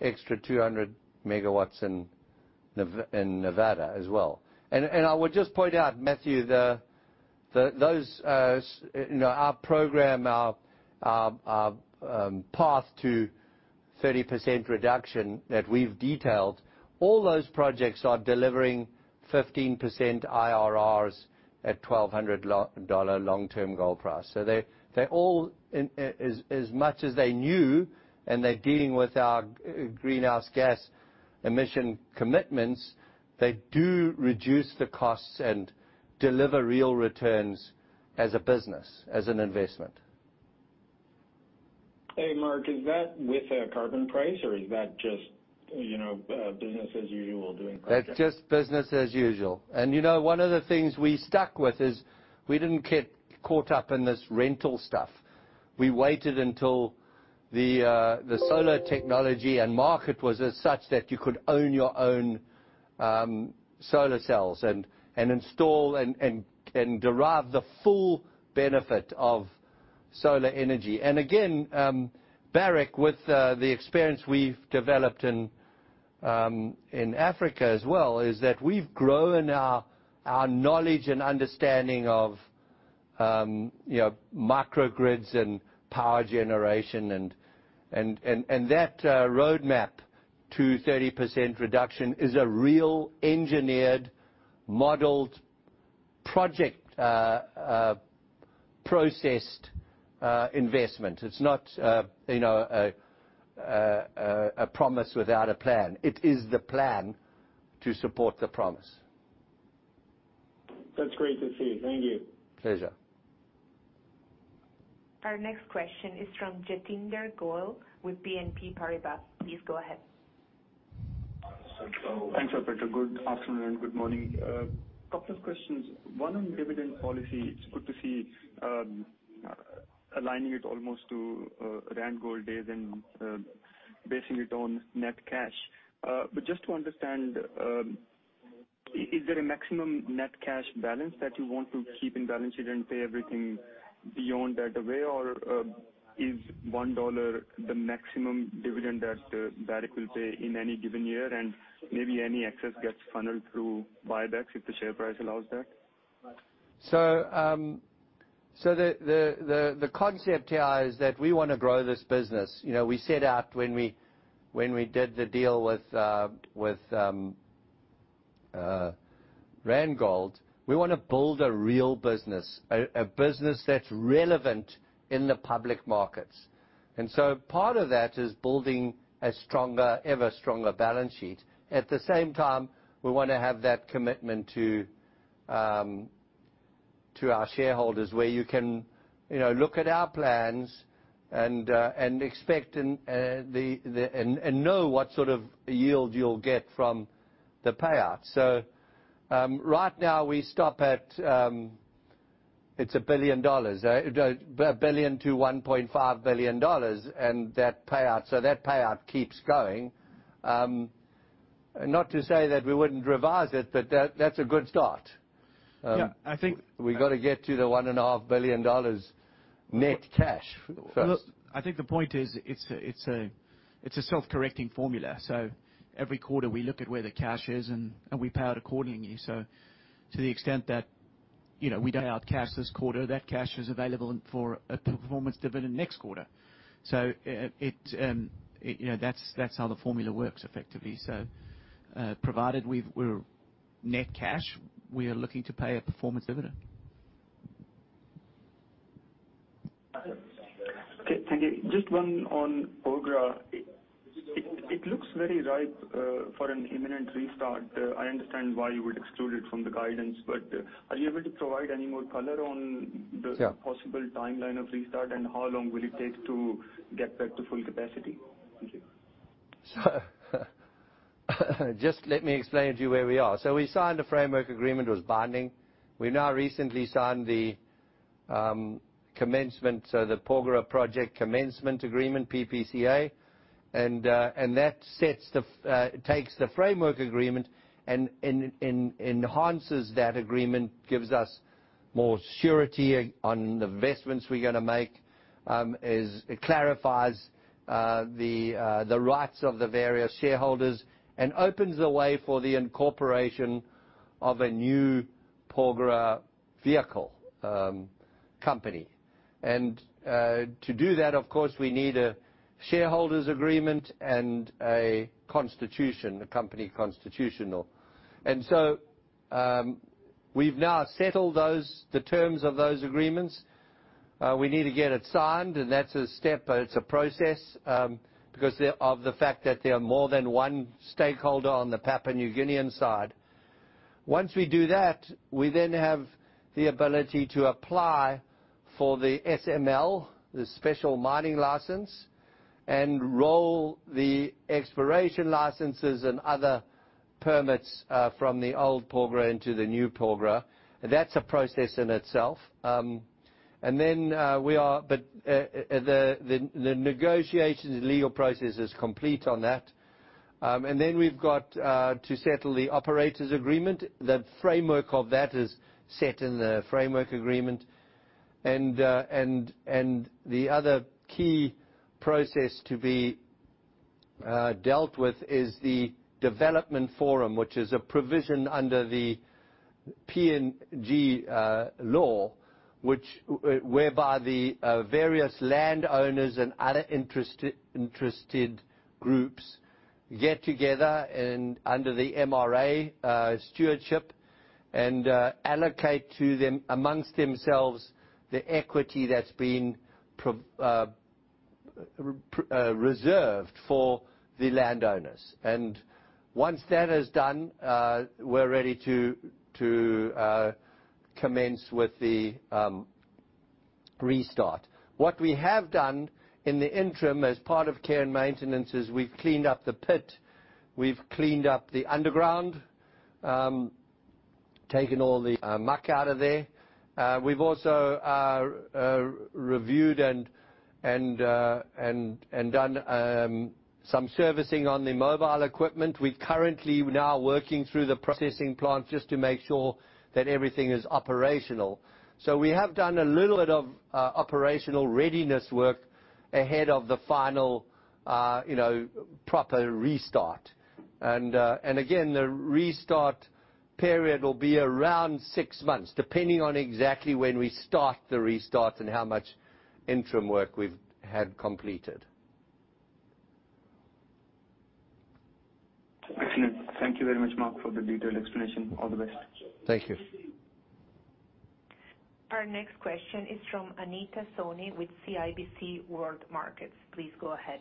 extra 200 MW in Nevada as well. I would just point out, Matthew, those, you know, our program, our path to 30% reduction that we've detailed, all those projects are delivering 15% IRRs at $1,200 long-term gold price. They're all in. As much as they're new and they're dealing with our greenhouse gas emission commitments, they do reduce the costs and deliver real returns as a business, as an investment. Mark, is that with a carbon price or is that just, you know, business as usual doing projects? That's just business as usual. You know, one of the things we stuck with is we didn't get caught up in this rental stuff. We waited until the solar technology and market was as such that you could own your own solar cells and derive the full benefit of solar energy. Barrick, with the experience we've developed in Africa as well, is that we've grown our knowledge and understanding of microgrids and power generation and that roadmap to 30% reduction is a real engineered, modeled project, processed investment. It's not a promise without a plan. It is the plan to support the promise. That's great to see. Thank you. Pleasure. Our next question is from Jatinder Goel with BNP Paribas. Please go ahead. Thanks, operator. Good afternoon and good morning. Couple of questions. One on dividend policy. It's good to see aligning it almost to Randgold days and basing it on net cash. But just to understand, is there a maximum net cash balance that you want to keep in balance sheet and pay everything beyond that away? Or is $1 the maximum dividend that Barrick will pay in any given year, and maybe any excess gets funneled through buybacks if the share price allows that? The concept here is that we wanna grow this business. You know, we set out when we did the deal with Randgold, we wanna build a real business, a business that's relevant in the public markets. Part of that is building a stronger, ever stronger balance sheet. At the same time, we wanna have that commitment to our shareholders, where you can, you know, look at our plans and know what sort of yield you'll get from the payout. Right now, it's $1 billion-$1.5 billion, and that payout keeps growing. Not to say that we wouldn't revise it, but that's a good start. Yeah. I think. We've got to get to the $1.5 billion net cash first. Look, I think the point is it's a self-correcting formula. Every quarter we look at where the cash is and we pay out accordingly. To the extent that, you know, we pay out cash this quarter, that cash is available for a performance dividend next quarter. You know, that's how the formula works effectively. Provided we're net cash, we are looking to pay a performance dividend. Okay, thank you. Just one on Porgera. It looks very ripe for an imminent restart. I understand why you would exclude it from the guidance, but are you able to provide any more color on the. Yeah. possible timeline of restart and how long will it take to get back to full capacity? Thank you. Just let me explain to you where we are. We signed a framework agreement. It was binding. We've now recently signed the Commencement, so the Porgera Project Commencement Agreement, PPCA, and that takes the framework agreement and enhances that agreement, gives us more surety on the investments we're gonna make. It clarifies the rights of the various shareholders and opens the way for the incorporation of a new Porgera vehicle, company. To do that, of course, we need a shareholders' agreement and a constitution, a company constitutional. We've now settled those, the terms of those agreements. We need to get it signed, and that's a step, but it's a process, because of the fact that there are more than one stakeholder on the Papua New Guinean side. Once we do that, we then have the ability to apply for the SML, the Special Mining License, and roll the exploration licenses and other permits from the old Porgera into the new Porgera. That's a process in itself. The negotiation, the legal process is complete on that. Then we've got to settle the operator's agreement. The framework of that is set in the framework agreement. The other key process to be dealt with is the development forum, which is a provision under the PNG law, which whereby the various landowners and other interested groups get together and under the MRA stewardship and allocate to them, amongst themselves, the equity that's been reserved for the landowners. Once that is done, we're ready to commence with the restart. What we have done in the interim as part of care and maintenance is we've cleaned up the pit, we've cleaned up the underground, taken all the muck out of there. We've also reviewed and done some servicing on the mobile equipment. We're currently now working through the processing plant just to make sure that everything is operational. We have done a little bit of operational readiness work ahead of the final you know proper restart. Again, the restart period will be around six months, depending on exactly when we start the restart and how much interim work we've had completed. Excellent. Thank you very much, Mark, for the detailed explanation. All the best. Thank you. Our next question is from Anita Soni with CIBC World Markets. Please go Ahead.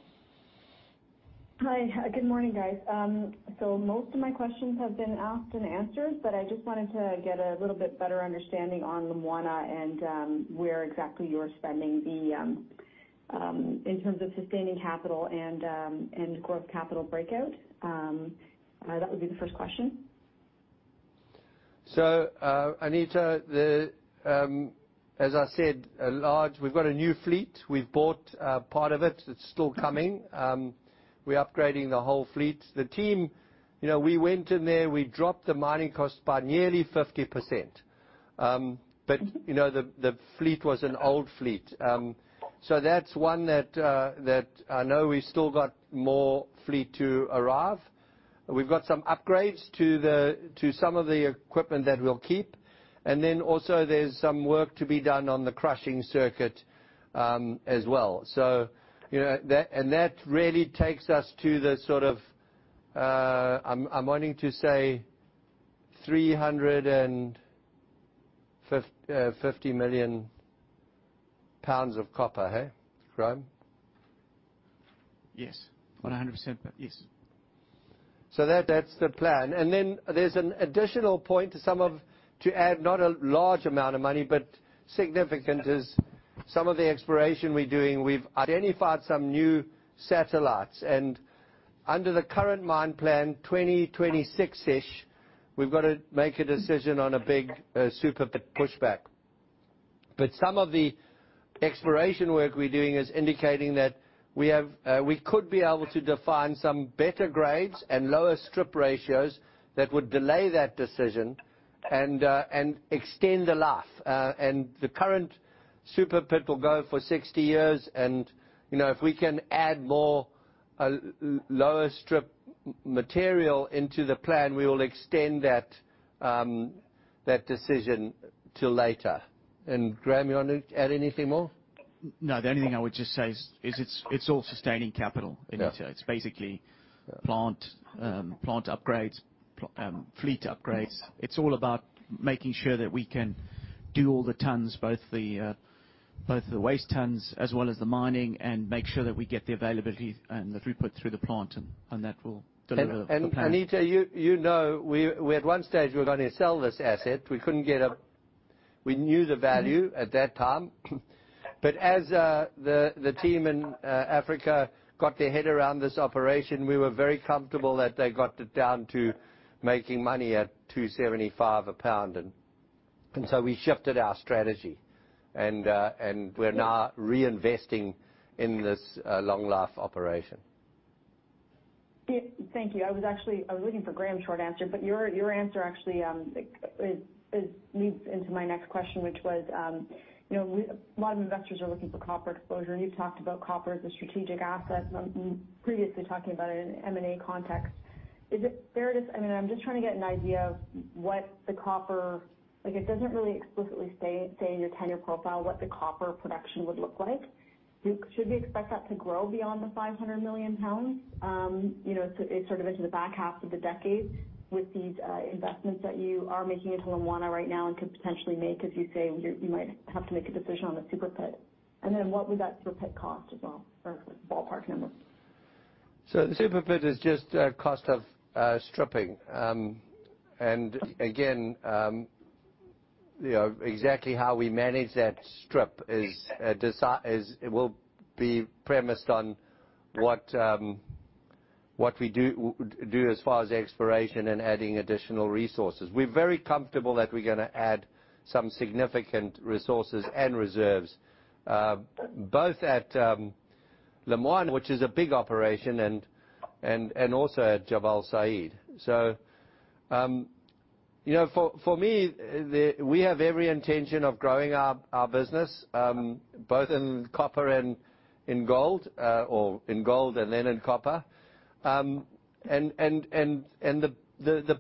Hi. Good morning, guys. Most of my questions have been asked and answered, but I just wanted to get a little bit better understanding on Lumwana and where exactly you're spending in terms of sustaining capital and core capital breakdown. That would be the first question. Anita, as I said, a large. We've got a new fleet. We've bought part of it. It's still coming. We're upgrading the whole fleet. The team, you know, we went in there, we dropped the mining costs by nearly 50%. But you know, the fleet was an old fleet. That's one that I know we still got more fleet to arrive. We've got some upgrades to some of the equipment that we'll keep. Then also there's some work to be done on the crushing circuit as well. You know, that really takes us to the sort of, I'm wanting to say 50 million pounds of copper, Graham? Yes. 100%, yes. That, that's the plan. Then there's an additional point to add not a large amount of money, but significant is some of the exploration we're doing. We've identified some new satellites. Under the current mine plan, 2026-ish, we've got to make a decision on a big super pit pushback. Some of the exploration work we're doing is indicating that we could be able to define some better grades and lower strip ratios that would delay that decision and extend the life. The current super pit will go for 60 years. You know, if we can add more lower strip material into the plan, we will extend that decision till later. Graham, you want to add anything more? No. The only thing I would just say is, it's all sustaining capital, Anita. Yeah. It's basically plant upgrades, fleet upgrades. It's all about making sure that we can do all the tons, both the waste tons as well as the mining, and make sure that we get the availability and the throughput through the plant, and that will deliver the plan. Anita, you know, we at one stage were gonna sell this asset. We knew the value at that time. As the team in Africa got their head around this operation, we were very comfortable that they got it down to making money at $275 a pound. So we shifted our strategy, and we're now reinvesting in this long life operation. Yeah. Thank you. I was actually looking for Graham's short answer, but your answer actually leads into my next question, which was, you know, a lot of investors are looking for copper exposure, and you've talked about copper as a strategic asset previously talking about it in M&A context. Is it fair to... I mean, I'm just trying to get an idea of what the copper, like, it doesn't really explicitly state in your tenure profile what the copper production would look like. Should we expect that to grow beyond the 500 million pounds, you know, sort of into the back half of the decade with these investments that you are making into Lumwana right now and could potentially make, as you say, you might have to make a decision on the super pit? What would that super pit cost as well or ballpark number? The super pit is just a cost of stripping. And again, you know, exactly how we manage that strip will be premised on what we do as far as exploration and adding additional resources. We're very comfortable that we're gonna add some significant resources and reserves both at Lumwana, which is a big operation, and also at Jabal Sayid. You know, for me, we have every intention of growing our business both in copper and in gold or in gold and then in copper. The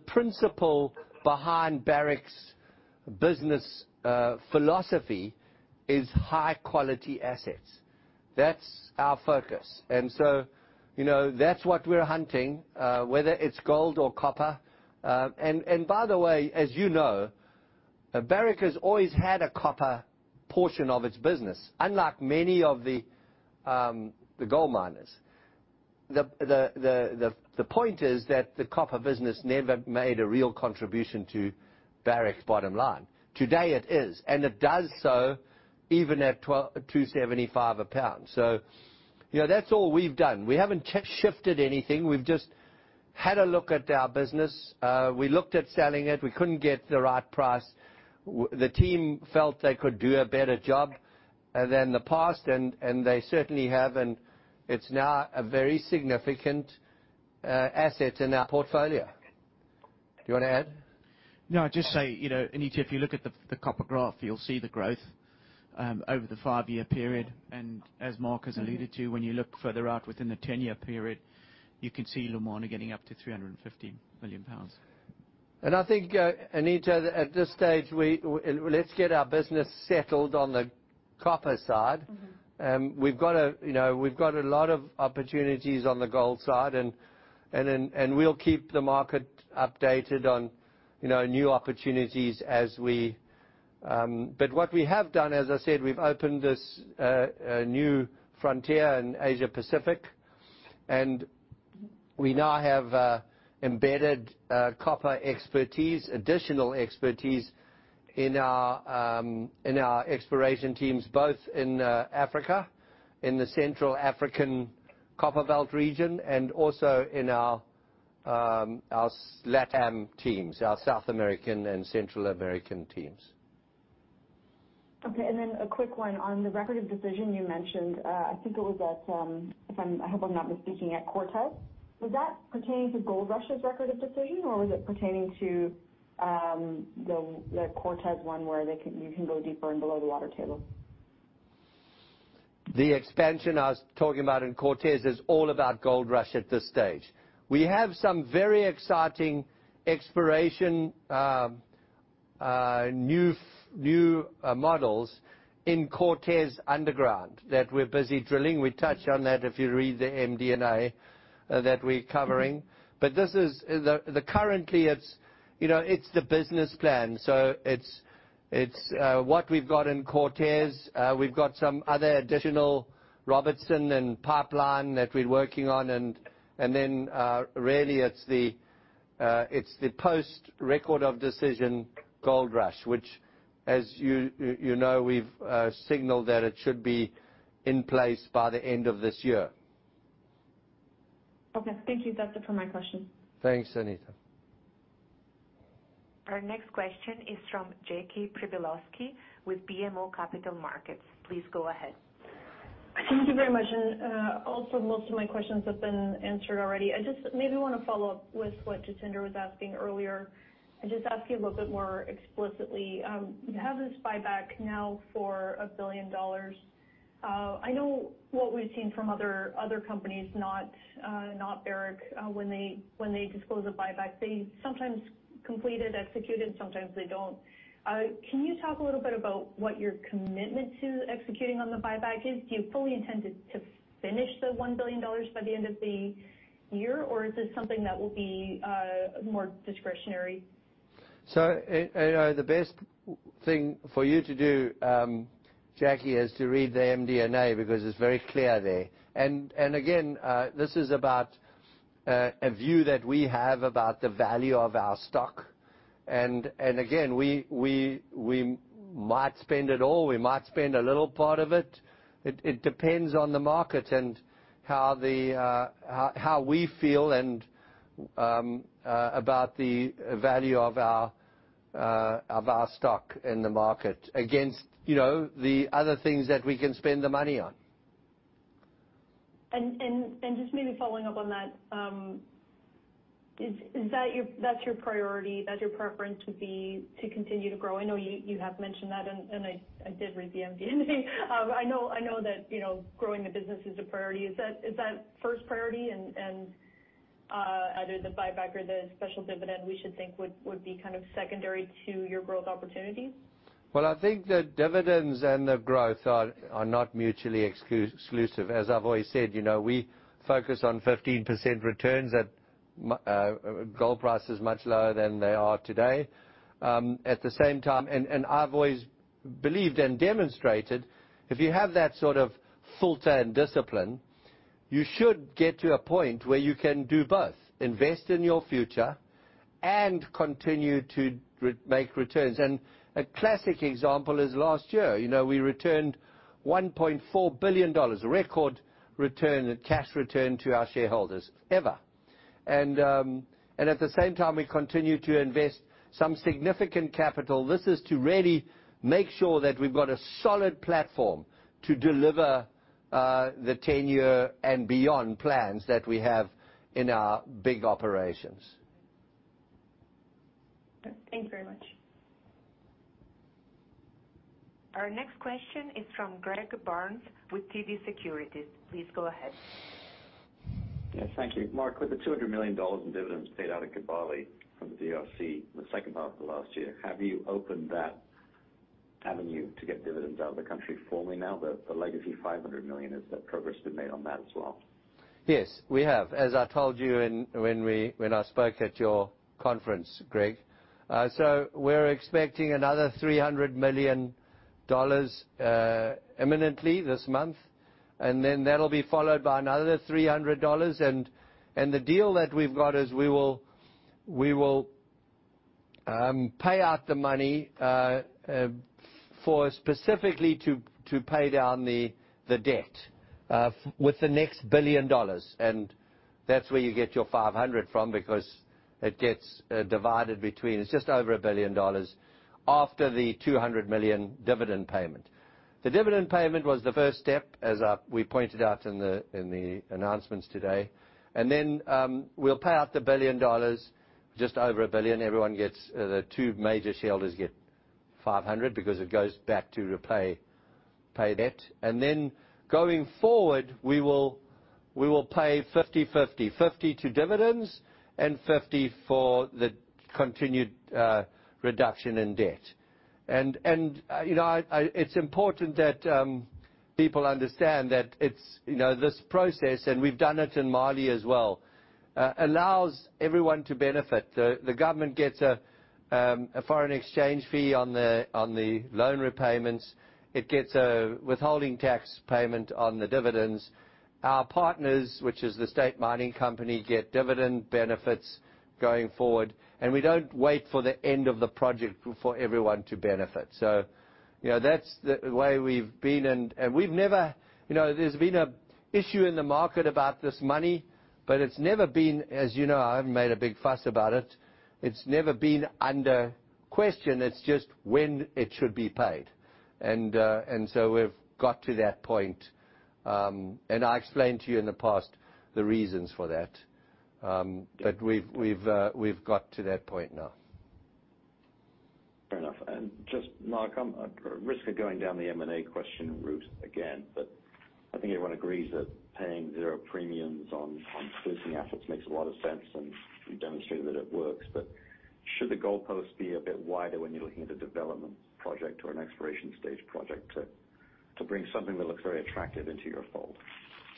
principle behind Barrick's business philosophy is high quality assets. That's our focus. You know, that's what we're hunting whether it's gold or copper. By the way, as you know, Barrick has always had a copper portion of its business, unlike many of the gold miners. The point is that the copper business never made a real contribution to Barrick's bottom line. Today it is, and it does so even at $2.75 a pound. You know, that's all we've done. We haven't shifted anything. We've just had a look at our business. We looked at selling it. We couldn't get the right price. The team felt they could do a better job than the past, and they certainly have, and it's now a very significant asset in our portfolio. Do you wanna add? No, I'd just say, you know, Anita, if you look at the copper graph, you'll see the growth over the five-year period. As Mark has alluded to, when you look further out within the 10-year period, you can see Lumwana getting up to 350 million pounds. I think, Anita, at this stage, let's get our business settled on the copper side. We've got a lot of opportunities on the gold side and then we'll keep the market updated on, you know, new opportunities as we. What we have done, as I said, we've opened this new frontier in Asia-Pacific, and we now have embedded copper expertise, additional expertise in our exploration teams, both in Africa, in the Central African Copperbelt region, and also in our LATAM teams, our South American and Central American teams. Okay. A quick one. On the record of decision you mentioned, I think it was at Cortez, I hope I'm not misspeaking. Was that pertaining to Goldrush's record of decision or was it pertaining to the Cortez one where you can go deeper and below the water table? The expansion I was talking about in Cortez is all about Goldrush at this stage. We have some very exciting exploration, new models in Cortez underground that we're busy drilling. We touch on that if you read the MD&A that we're covering. This is currently, you know, it's the business plan, so it's what we've got in Cortez. We've got some other additional Robertson and pipeline that we're working on and then, really it's the post record of decision Goldrush, which, as you know, we've signaled that it should be in place by the end of this year. Okay. Thank you. That's it for my questions. Thanks, Anita. Our next question is from Jackie Przybylowski with BMO Capital Markets. Please go ahead. Thank you very much. Also most of my questions have been answered already. I just maybe wanna follow up with what Jatinder was asking earlier and just ask you a little bit more explicitly. You have this buyback now for $1 billion. I know what we've seen from other companies, not Barrick, when they disclose a buyback, they sometimes complete it, execute it, sometimes they don't. Can you talk a little bit about what your commitment to executing on the buyback is? Do you fully intend to finish the $1 billion by the end of the year, or is this something that will be more discretionary? The best thing for you to do, Jackie, is to read the MD&A because it's very clear there. Again, this is about a view that we have about the value of our stock. Again, we might spend it all, we might spend a little part of it. It depends on the market and how we feel about the value of our stock in the market against, you know, the other things that we can spend the money on. Just maybe following up on that, is that your priority? That's your preference would be to continue to grow? I know you have mentioned that and I did read the MD&A. I know that, you know, growing the business is a priority. Is that first priority and. Either the buyback or the special dividend we should think would be kind of secondary to your growth opportunities? Well, I think the dividends and the growth are not mutually exclusive. As I've always said, you know, we focus on 15% returns at gold prices much lower than they are today. At the same time, I've always believed and demonstrated, if you have that sort of filter and discipline, you should get to a point where you can do both, invest in your future and continue to make returns. A classic example is last year, you know, we returned $1.4 billion, a record return, a cash return to our shareholders ever. At the same time, we continued to invest some significant capital. This is to really make sure that we've got a solid platform to deliver the ten-year and beyond plans that we have in our big operations. Okay. Thank you very much. Our next question is from Greg Barnes with TD Securities. Please go ahead. Yes, thank you. Mark, with the $200 million in dividends paid out at Kibali from the DRC in the second half of last year, have you opened that avenue to get dividends out of the country fully now? The legacy $500 million, has that progress been made on that as well? Yes, we have. As I told you when I spoke at your conference, Greg. So we're expecting another $300 million imminently this month, and then that'll be followed by another $300 million. The deal that we've got is we will pay out the money specifically to pay down the debt with the next $1 billion. That's where you get your $500 million from because it gets divided between. It's just over $1 billion after the $200 million dividend payment. The dividend payment was the first step, as we pointed out in the announcements today. Then we'll pay out the billion dollars, just over $1 billion. Everyone gets. The two major shareholders get $500 because it goes back to repay debt. Going forward, we will pay 50-50, 50 to dividends and 50 for the continued reduction in debt. You know, it's important that people understand that it's you know this process, and we've done it in Mali as well allows everyone to benefit. The government gets a foreign exchange fee on the loan repayments. It gets a withholding tax payment on the dividends. Our partners, which is the state mining company, get dividend benefits going forward. We don't wait for the end of the project for everyone to benefit. You know, that's the way we've been, and we've never. You know, there's been an issue in the market about this money, but it's never been, as you know, I haven't made a big fuss about it. It's never been under question. It's just when it should be paid. So we've got to that point. I explained to you in the past the reasons for that. But we've got to that point now. Fair enough. Just, Mark, I'm at risk of going down the M&A question route again, but I think everyone agrees that paying zero premiums on existing assets makes a lot of sense, and you've demonstrated that it works. Should the goalpost be a bit wider when you're looking at a development project or an exploration stage project to bring something that looks very attractive into your fold?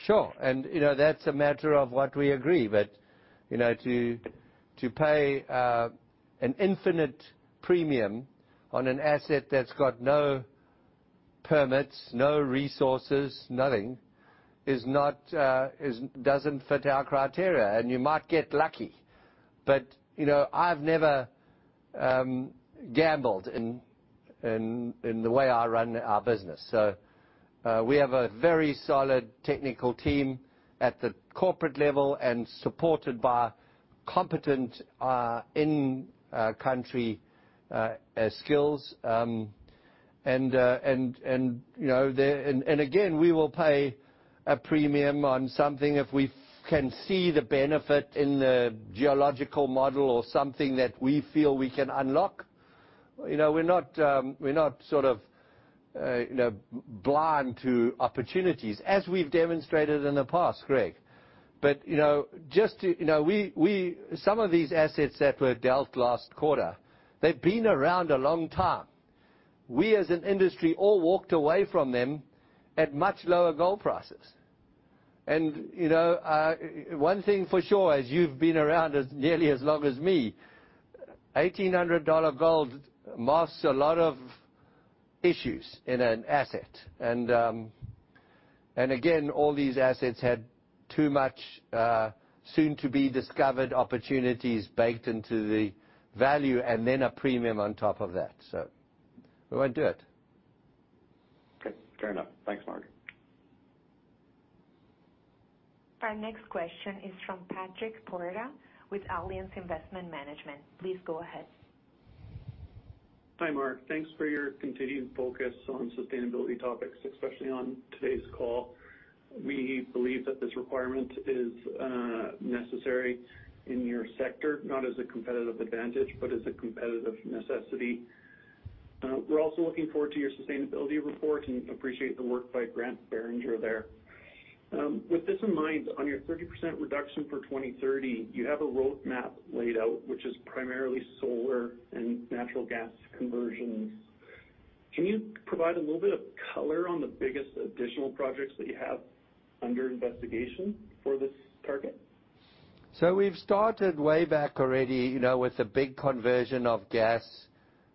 Sure. You know, that's a matter of what we agree. You know, to pay an infinite premium on an asset that's got no permits, no resources, nothing, doesn't fit our criteria. You might get lucky, but you know, I've never gambled in the way I run our business. We have a very solid technical team at the corporate level and supported by competent in-country skills. And again, we will pay a premium on something if we can see the benefit in the geological model or something that we feel we can unlock. You know, we're not sort of you know, blind to opportunities, as we've demonstrated in the past, Greg. You know, just to you know, we. Some of these assets that were dealt last quarter, they've been around a long time. We, as an industry, all walked away from them at much lower gold prices. You know, one thing for sure, as you've been around as nearly as long as me, $1,800 gold masks a lot of issues in an asset. And again, all these assets had too much soon to be discovered opportunities baked into the value and then a premium on top of that. We won't do it. Okay. Fair enough. Thanks, Mark. Our next question is from Patrick Porada with Allianz Investment Management. Please go ahead. Hi, Mark. Thanks for your continued focus on sustainability topics, especially on today's call. We believe that this requirement is necessary in your sector, not as a competitive advantage, but as a competitive necessity. We're also looking forward to your sustainability report and appreciate the work by Grant Beringer there. With this in mind, on your 30% reduction for 2030, you have a roadmap laid out, which is primarily solar and natural gas conversions. Can you provide a little bit of color on the biggest additional projects that you have under investigation for this target? We've started way back already, you know, with the big conversion of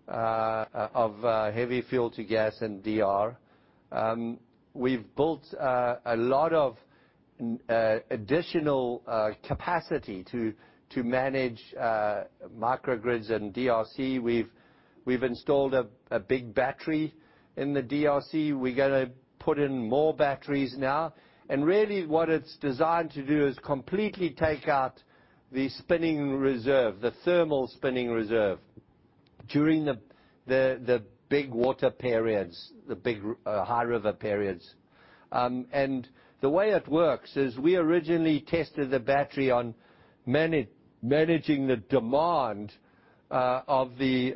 heavy fuel to gas and DR. We've built a lot of additional capacity to manage microgrids in DRC. We've installed a big battery in the DRC. We're gonna put in more batteries now. Really what it's designed to do is completely take out the spinning reserve, the thermal spinning reserve during the big water periods, the big high river periods. The way it works is we originally tested the battery on managing the demand of the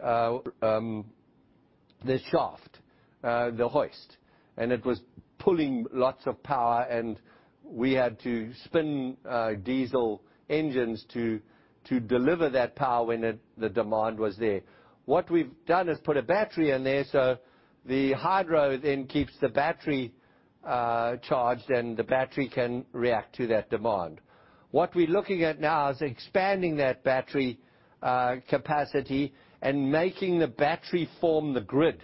shaft, the hoist, and it was pulling lots of power, and we had to spin diesel engines to deliver that power when the demand was there. What we've done is put a battery in there, so the hydro then keeps the battery charged, and the battery can react to that demand. What we're looking at now is expanding that battery capacity and making the battery form the grid,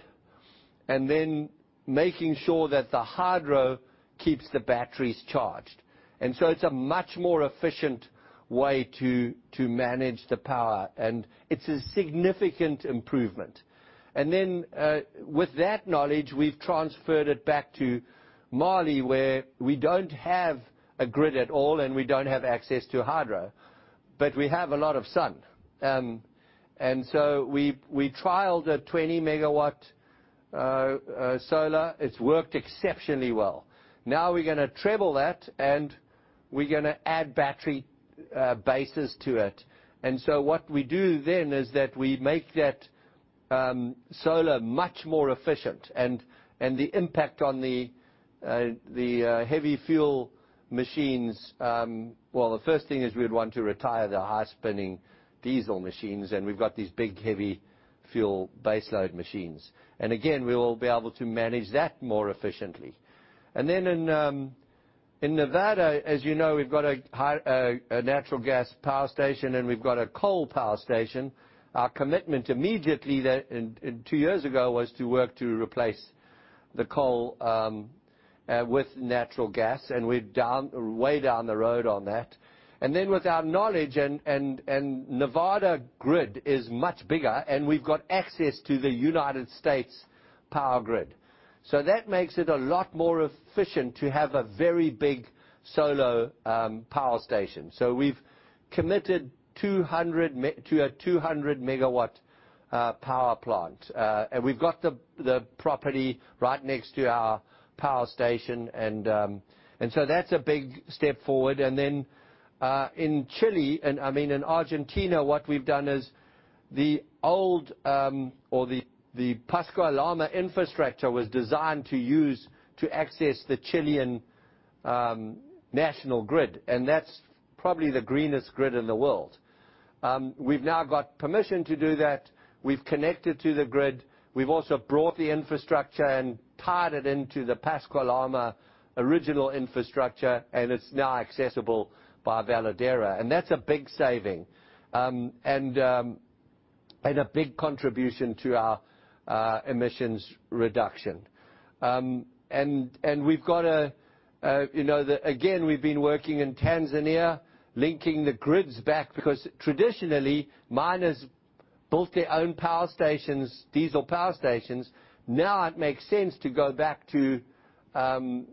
and then making sure that the hydro keeps the batteries charged. It's a much more efficient way to manage the power, and it's a significant improvement. With that knowledge, we've transferred it back to Mali, where we don't have a grid at all, and we don't have access to hydro, but we have a lot of sun. We trialed a 20 MW solar. It's worked exceptionally well. Now we're gonna treble that, and we're gonna add battery bases to it. What we do then is that we make that solar much more efficient and the impact on the heavy fuel machines. The first thing is we'd want to retire the high-spinning diesel machines, and we've got these big, heavy fuel baseload machines. Again, we will be able to manage that more efficiently. In Nevada, as you know, we've got a natural gas power station, and we've got a coal power station. Our commitment immediately there two years ago was to work to replace the coal with natural gas, and we're way down the road on that. With our knowledge and Nevada grid is much bigger, and we've got access to the United States power grid. That makes it a lot more efficient to have a very big solar power station. We've committed to a 200 MW power plant. We've got the property right next to our power station and that's a big step forward. In Chile, and I mean in Argentina, what we've done is the old Pascua-Lama infrastructure was designed to use to access the Chilean national grid, and that's probably the greenest grid in the world. We've now got permission to do that. We've connected to the grid. We've also brought the infrastructure and tied it into the Pascua-Lama original infrastructure, and it's now accessible by Veladero. That's a big saving and a big contribution to our emissions reduction. Again, we've been working in Tanzania, linking the grids back, because traditionally, miners built their own power stations, diesel power stations. Now it makes sense to go back to the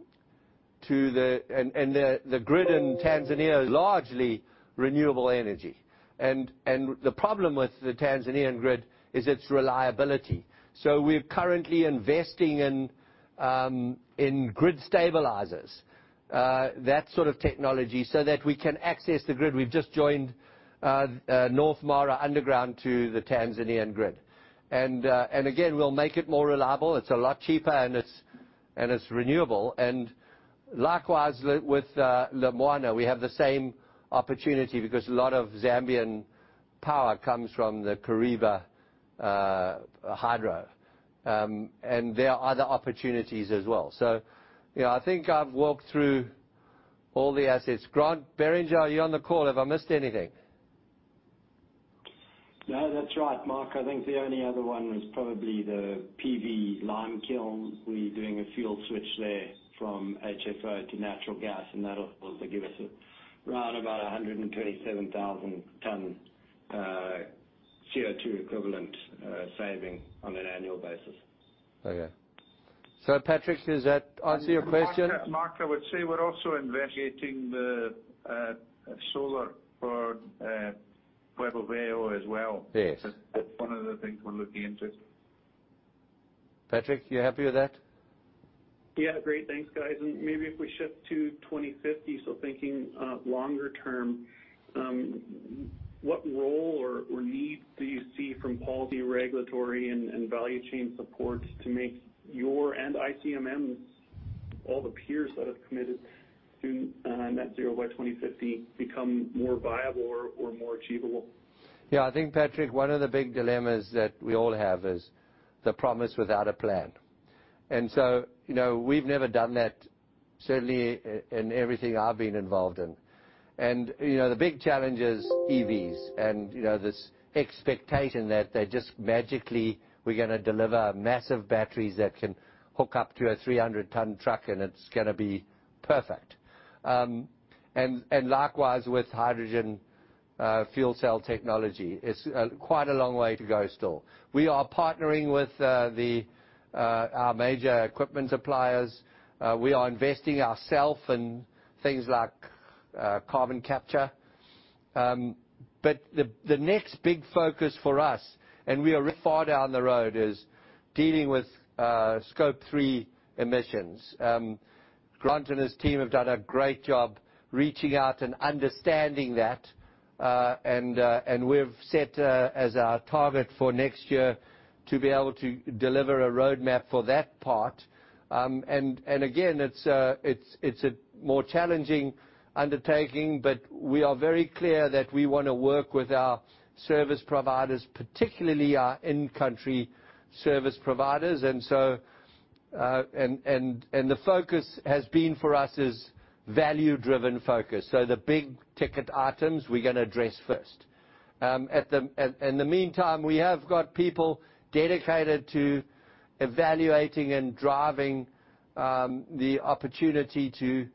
grid, and the grid in Tanzania is largely renewable energy. The problem with the Tanzanian grid is its reliability. We're currently investing in grid stabilizers, that sort of technology, so that we can access the grid. We've just joined North Mara underground to the Tanzanian grid. Again, we'll make it more reliable. It's a lot cheaper, and it's renewable. Likewise with Lumwana, we have the same opportunity because a lot of Zambian power comes from the Kariba hydro. There are other opportunities as well. You know, I think I've walked through all the assets. Grant Beringer, are you on the call? Have I missed anything? No, that's right, Mark. I think the only other one was probably the PV lime kiln. We're doing a fuel switch there from HFO to natural gas, and that'll also give us around about 127,000 tons CO2 equivalent saving on an annual basis. Okay. Patrick, does that answer your question? Mark, I would say we're also investigating the solar for Pueblo Viejo as well. Yes. That's one of the things we're looking into. Patrick, you happy with that? Yeah. Great. Thanks, guys. Maybe if we shift to 2050, thinking longer term, what role or need do you see from policy, regulatory, and value chain support to make you and ICMM, all the peers that have committed to net zero by 2050, become more viable or more achievable? Yeah, I think, Patrick, one of the big dilemmas that we all have is the promise without a plan. You know, we've never done that, certainly in everything I've been involved in. You know, the big challenge is EVs and, you know, this expectation that they just magically, we're gonna deliver massive batteries that can hook up to a 300-ton truck, and it's gonna be perfect. Likewise with hydrogen fuel cell technology. It's quite a long way to go still. We are partnering with our major equipment suppliers. We are investing ourselves in things like carbon capture. The next big focus for us, and we are far down the road, is dealing with scope three emissions. Grant and his team have done a great job reaching out and understanding that, and we've set as our target for next year to be able to deliver a roadmap for that part. Again, it's a more challenging undertaking, but we are very clear that we wanna work with our service providers, particularly our in-country service providers. The focus has been for us is value-driven focus. The big-ticket items, we're gonna address first. In the meantime, we have got people dedicated to evaluating and driving the opportunity to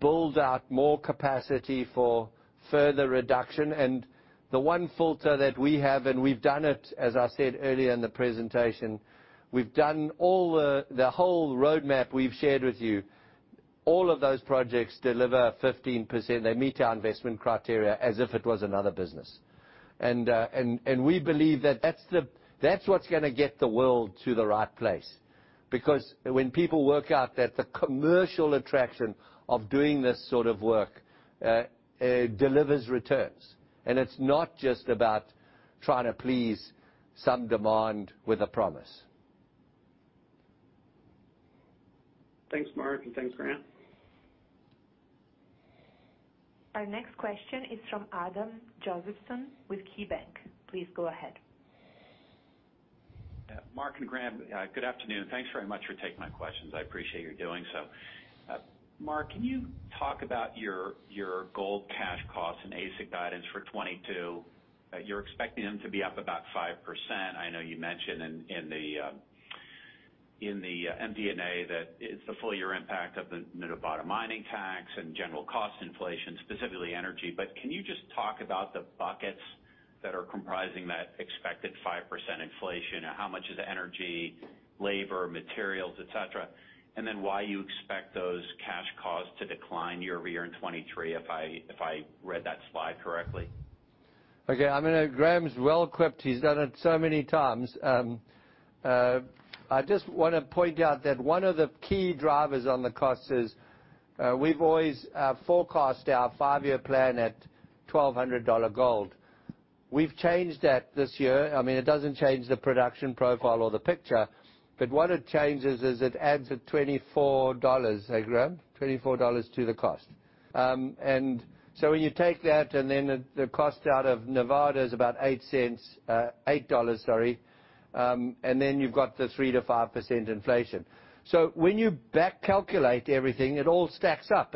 build out more capacity for further reduction. The one filter that we have, and we've done it, as I said earlier in the presentation, we've done the whole roadmap we've shared with you. All of those projects deliver 15%. They meet our investment criteria as if it was another business. We believe that that's what's gonna get the world to the right place. Because when people work out that the commercial attraction of doing this sort of work delivers returns, and it's not just about trying to please some demand with a promise. Thanks, Mark, and thanks, Grant. Our next question is from Adam Josephson with KeyBank. Please go ahead. Yeah, Mark and Grant, good afternoon. Thanks very much for taking my questions. I appreciate you doing so. Mark, can you talk about your gold cash costs and AISC guidance for 2022? You're expecting them to be up about 5%. I know you mentioned in the MD&A that it's the full year impact of the Nevada mining tax and general cost inflation, specifically energy. Can you just talk about the buckets that are comprising that expected 5% inflation? How much is energy, labor, materials, et cetera, and then why you expect those cash costs to decline year-over-year in 2023, if I read that slide correctly? Okay. Grant's well-equipped. He's done it so many times. I just wanna point out that one of the key drivers on the cost is, we've always forecast our 5-year plan at $1,200 gold. We've changed that this year. I mean, it doesn't change the production profile or the picture, but what it changes is it adds $24. Hey, Grant? $24 to the cost. When you take that and then the cost out of Nevada is about $8, sorry, and then you've got the 3%-5% inflation. When you back calculate everything, it all stacks up.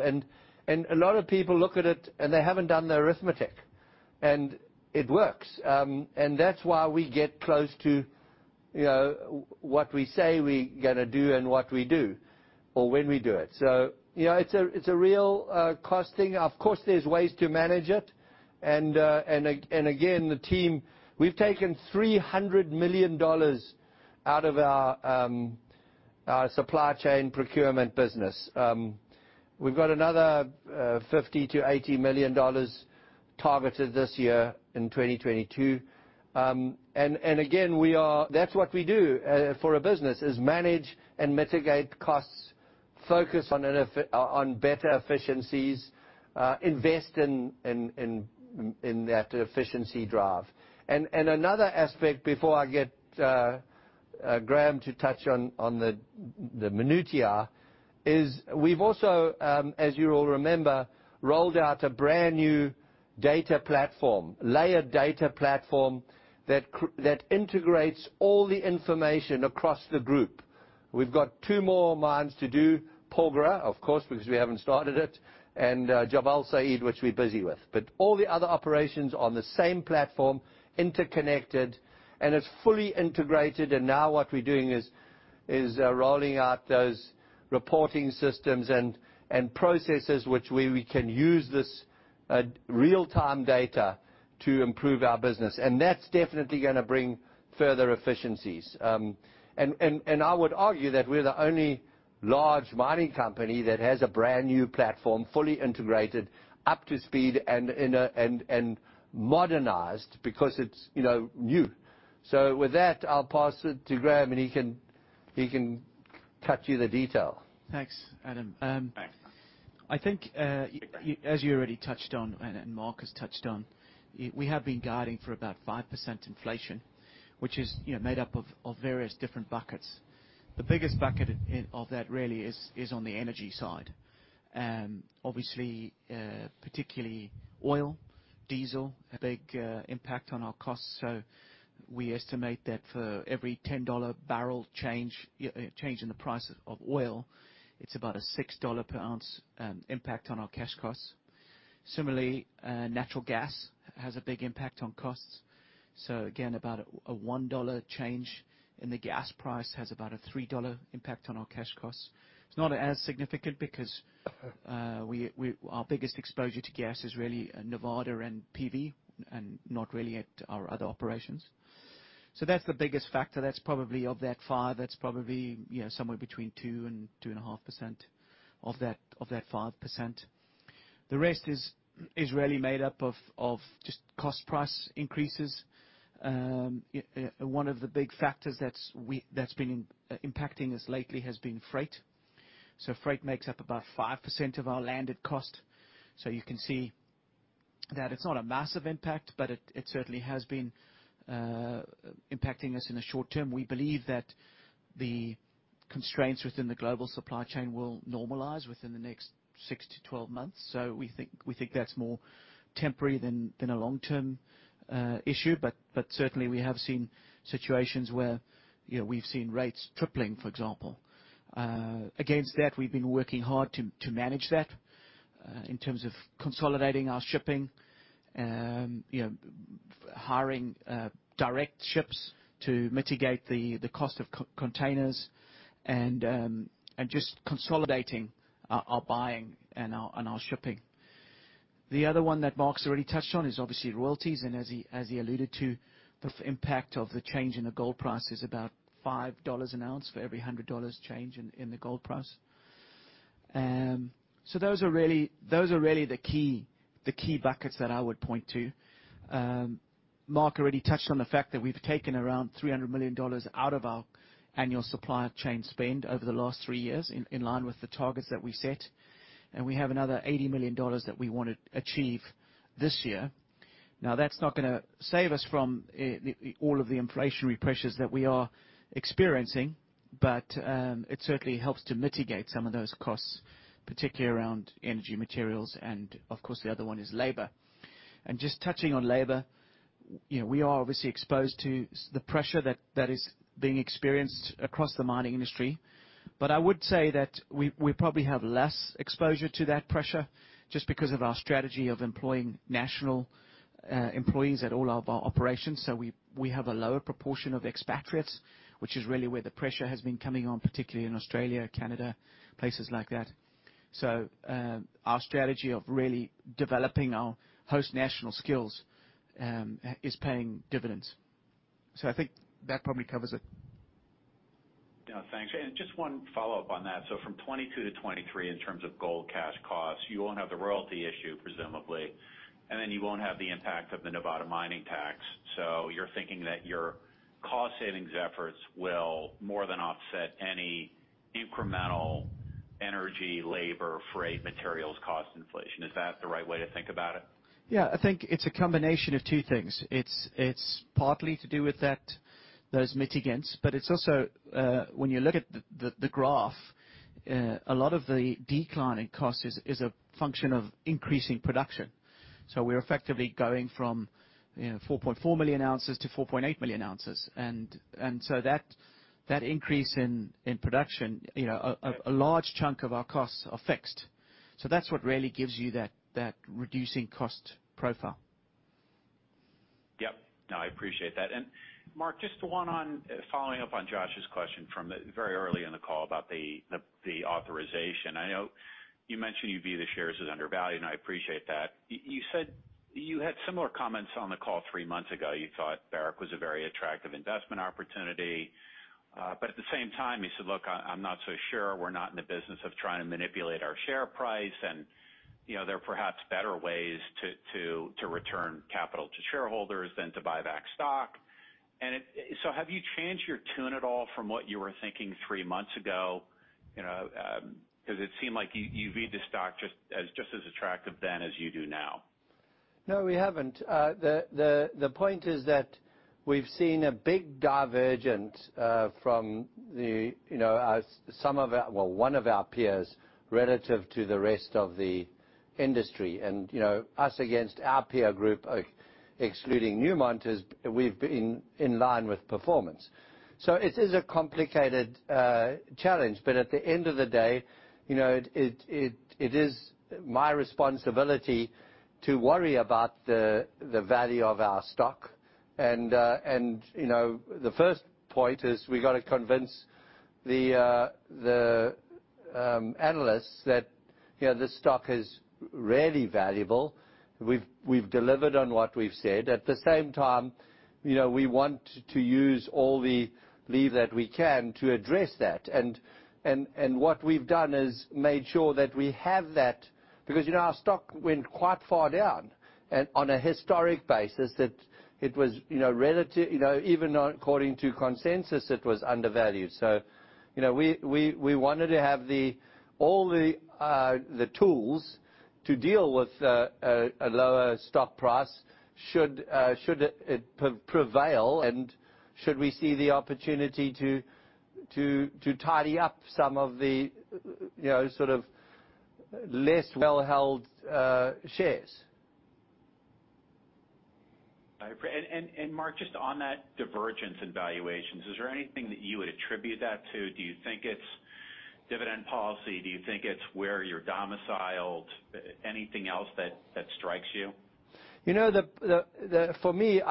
A lot of people look at it, and they haven't done the arithmetic. It works. That's why we get close to, you know, what we say we gonna do and what we do or when we do it. You know, it's a real cost thing. Of course, there's ways to manage it. Again, the team, we've taken $300 million out of our supply chain procurement business. We've got another $50 million-$80 million targeted this year in 2022. Again, that's what we do for a business, is manage and mitigate costs, focus on better efficiencies, invest in that efficiency drive. Another aspect before I get Grant to touch on the minutiae is we've also, as you all remember, rolled out a brand new data platform, layer data platform that integrates all the information across the group. We've got two more mines to do, Porgera, of course, because we haven't started it, and Jabal Sayid, which we're busy with. All the other operations on the same platform, interconnected, and it's fully integrated. Now what we're doing is rolling out those reporting systems and processes which we can use this real-time data to improve our business. That's definitely gonna bring further efficiencies. I would argue that we're the only large mining company that has a brand new platform, fully integrated, up to speed and in a. Modernized because it's, you know, new. With that, I'll pass it to Grant, and he can Thank you for the detail. Thanks, Adam. I think as you already touched on and Mark has touched on, we have been guiding for about 5% inflation, which is, you know, made up of various different buckets. The biggest bucket of that really is on the energy side. Obviously, particularly oil, diesel, a big impact on our costs. We estimate that for every $10 barrel change in the price of oil, it's about a $6 per ounce impact on our cash costs. Similarly, natural gas has a big impact on costs. Again, about a $1 change in the gas price has about a $3 impact on our cash costs. It's not as significant because our biggest exposure to gas is really Nevada and PV and not really at our other operations. That's the biggest factor. Of that 5, that's probably, you know, somewhere between 2%-2.5% of that 5%. The rest is really made up of just cost price increases. One of the big factors that's been impacting us lately has been freight. Freight makes up about 5% of our landed cost. You can see that it's not a massive impact, but it certainly has been impacting us in the short term. We believe that the constraints within the global supply chain will normalize within the next 6-12 months. We think that's more temporary than a long-term issue. Certainly we have seen situations where, you know, we've seen rates tripling, for example. Against that, we've been working hard to manage that in terms of consolidating our shipping, you know, hiring direct ships to mitigate the cost of containers and just consolidating our buying and our shipping. The other one that Mark's already touched on is obviously royalties. And as he alluded to, the impact of the change in the gold price is about $5 an ounce for every $100 change in the gold price. Those are really the key buckets that I would point to. Mark already touched on the fact that we've taken around $300 million out of our annual supply chain spend over the last three years in line with the targets that we've set, and we have another $80 million that we wanna achieve this year. Now, that's not gonna save us from all of the inflationary pressures that we are experiencing, but it certainly helps to mitigate some of those costs, particularly around energy materials, and of course, the other one is labor. Just touching on labor, you know, we are obviously exposed to the pressure that is being experienced across the mining industry. But I would say that we probably have less exposure to that pressure just because of our strategy of employing national employees at all of our operations. We have a lower proportion of expatriates, which is really where the pressure has been coming on, particularly in Australia, Canada, places like that. Our strategy of really developing our host national skills is paying dividends. I think that probably covers it. Yeah. Thanks. Just one follow-up on that. From 2022 to 2023, in terms of gold cash costs, you won't have the royalty issue, presumably, and then you won't have the impact of the Nevada mining tax. You're thinking that your cost savings efforts will more than offset any incremental energy, labor, freight, materials cost inflation. Is that the right way to think about it? Yeah. I think it's a combination of two things. It's partly to do with that, those mitigants, but it's also when you look at the graph, a lot of the decline in cost is a function of increasing production. We're effectively going from, you know, 4.4 million ounces to 4.8 million ounces. So that increase in production, you know, a large chunk of our costs are fixed. That's what really gives you that reducing cost profile. Yep. No, I appreciate that. Mark, just one following up on Josh's question from very early in the call about the authorization. I know you mentioned you view the shares as undervalued, and I appreciate that. You said you had similar comments on the call three months ago. You thought Barrick was a very attractive investment opportunity. At the same time, you said, "Look, I'm not so sure. We're not in the business of trying to manipulate our share price. You know, there are perhaps better ways to return capital to shareholders than to buy back stock." Have you changed your tune at all from what you were thinking three months ago? You know, 'cause it seemed like you viewed the stock just as attractive then as you do now. No, we haven't. The point is that we've seen a big divergence from, you know, some of our well, one of our peers relative to the rest of the industry. You know, us against our peer group excluding Newmont is we've been in line with performance. It is a complicated challenge, but at the end of the day, you know, it is my responsibility to worry about the value of our stock. You know, the first point is we've got to convince the analysts that, you know, this stock is really valuable. We've delivered on what we've said. At the same time, you know, we want to use all the levers that we can to address that. What we've done is made sure that we have that because, you know, our stock went quite far down and on a historic basis, that it was, you know, relative. You know, even according to consensus, it was undervalued. You know, we wanted to have all the tools to deal with a lower stock price should it prevail, and should we see the opportunity to tidy up some of the, you know, sort of less well-held shares. Mark, just on that divergence in valuations, is there anything that you would attribute that to? Do you think it's dividend policy? Do you think it's where you're domiciled? Anything else that strikes you? You know, for me,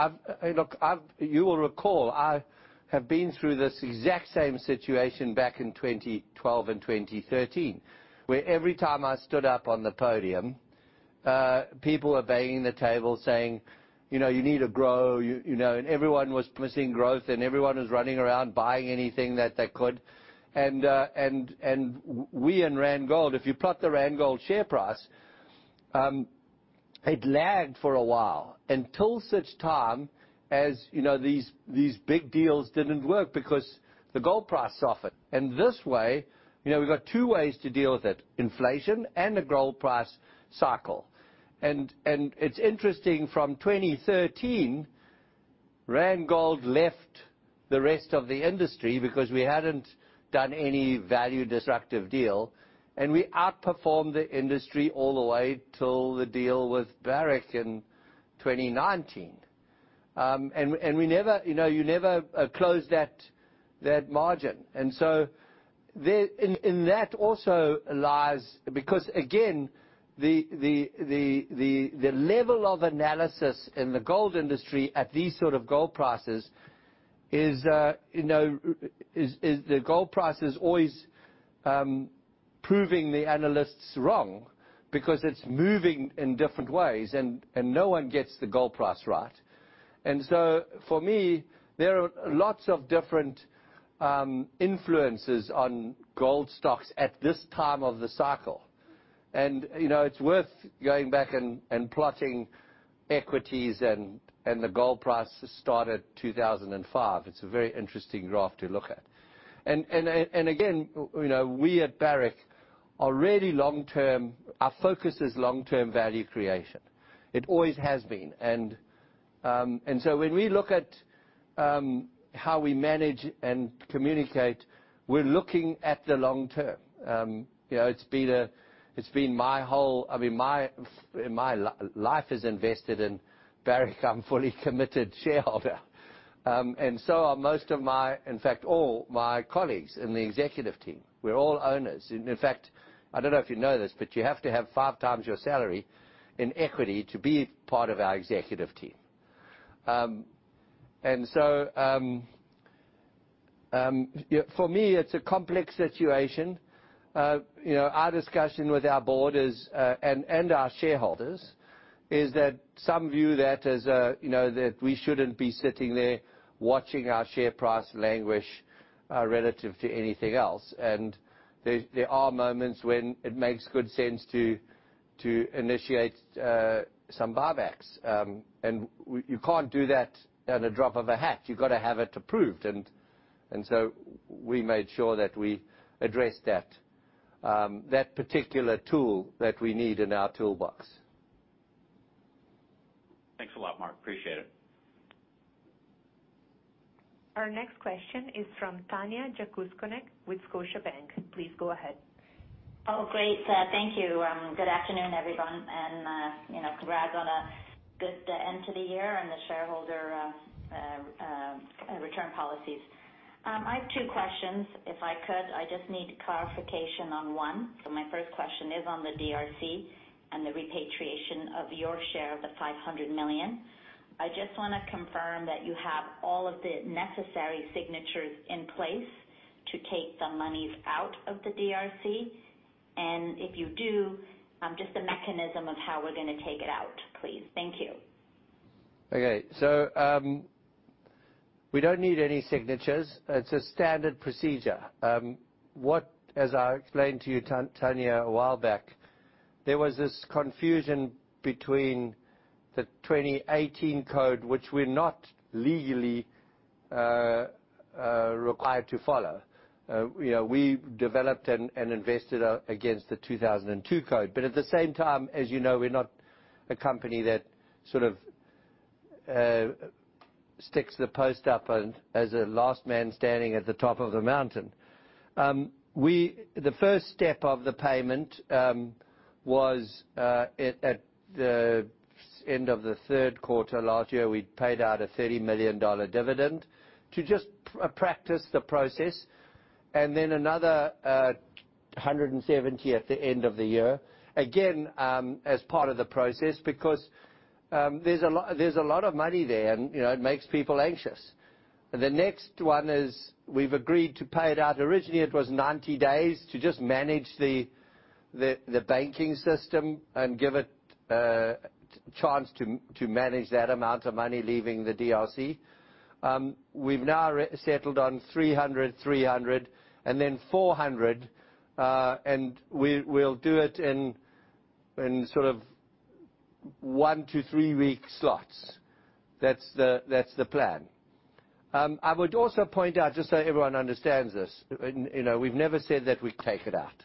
you will recall, I have been through this exact same situation back in 2012 and 2013, where every time I stood up on the podium, people were banging the table saying, "You know, you need to grow." You know, and everyone was missing growth, and everyone was running around buying anything that they could. We in Randgold, if you plot the Randgold share price, it lagged for a while until such time as, you know, these big deals didn't work because the gold price softened. This way, you know, we've got two ways to deal with it, inflation and the gold price cycle. It's interesting, from 2013, Randgold left the rest of the industry because we hadn't done any value disruptive deal, and we outperformed the industry all the way till the deal with Barrick in 2019. We never, you know, you never close that margin. There, in that also lies because again, the level of analysis in the gold industry at these sort of gold prices is, you know, the gold price is always proving the analysts wrong because it's moving in different ways, and no one gets the gold price right. For me, there are lots of different influences on gold stocks at this time of the cycle. You know, it's worth going back and plotting equities and the gold price starting at 2005. It's a very interesting graph to look at. Again, you know, we at Barrick are really long-term. Our focus is long-term value creation. It always has been. When we look at how we manage and communicate, we're looking at the long term. You know, it's been my whole life invested in Barrick. I mean, my life is invested in Barrick. I'm a fully committed shareholder. Most of my, in fact, all my colleagues in the executive team, we're all owners. In fact, I don't know if you know this, but you have to have 5 times your salary in equity to be part of our executive team. For me, it's a complex situation. You know, our discussion with our board and our shareholders is that some view that as a, you know, that we shouldn't be sitting there watching our share price languish relative to anything else. There are moments when it makes good sense to initiate some buybacks. You can't do that at a drop of a hat. You've gotta have it approved. We made sure that we addressed that particular tool that we need in our toolbox. Thanks a lot, Mark. Appreciate it. Our next question is from Tanya Jakusconek with Scotiabank. Please go ahead. Oh, great. Thank you. Good afternoon, everyone. You know, congrats on a good end to the year and the shareholder return policies. I have two questions. If I could, I just need clarification on one. My first question is on the DRC and the repatriation of your share of the $500 million. I just wanna confirm that you have all of the necessary signatures in place to take the monies out of the DRC. And if you do, just the mechanism of how we're gonna take it out, please. Thank you. Okay. We don't need any signatures. It's a standard procedure. As I explained to you, Tanya, a while back, there was this confusion between the 2018 code, which we're not legally required to follow. You know, we developed and invested against the 2002 code. But at the same time, as you know, we're not a company that sort of sticks the post up and as a last man standing at the top of the mountain. The first step of the payment was at the end of the Q3 last year. We'd paid out a $30 million dividend to just practice the process, and then another $170 million at the end of the year, again, as part of the process, because there's a lot of money there and, you know, it makes people anxious. The next one is we've agreed to pay it out. Originally, it was 90 days to just manage the banking system and give it chance to manage that amount of money leaving the DRC. We've now resettled on 300 and then 400, and we'll do it in sort of one- to three-week slots. That's the plan. I would also point out, just so everyone understands this, and, you know, we've never said that we'd take it out.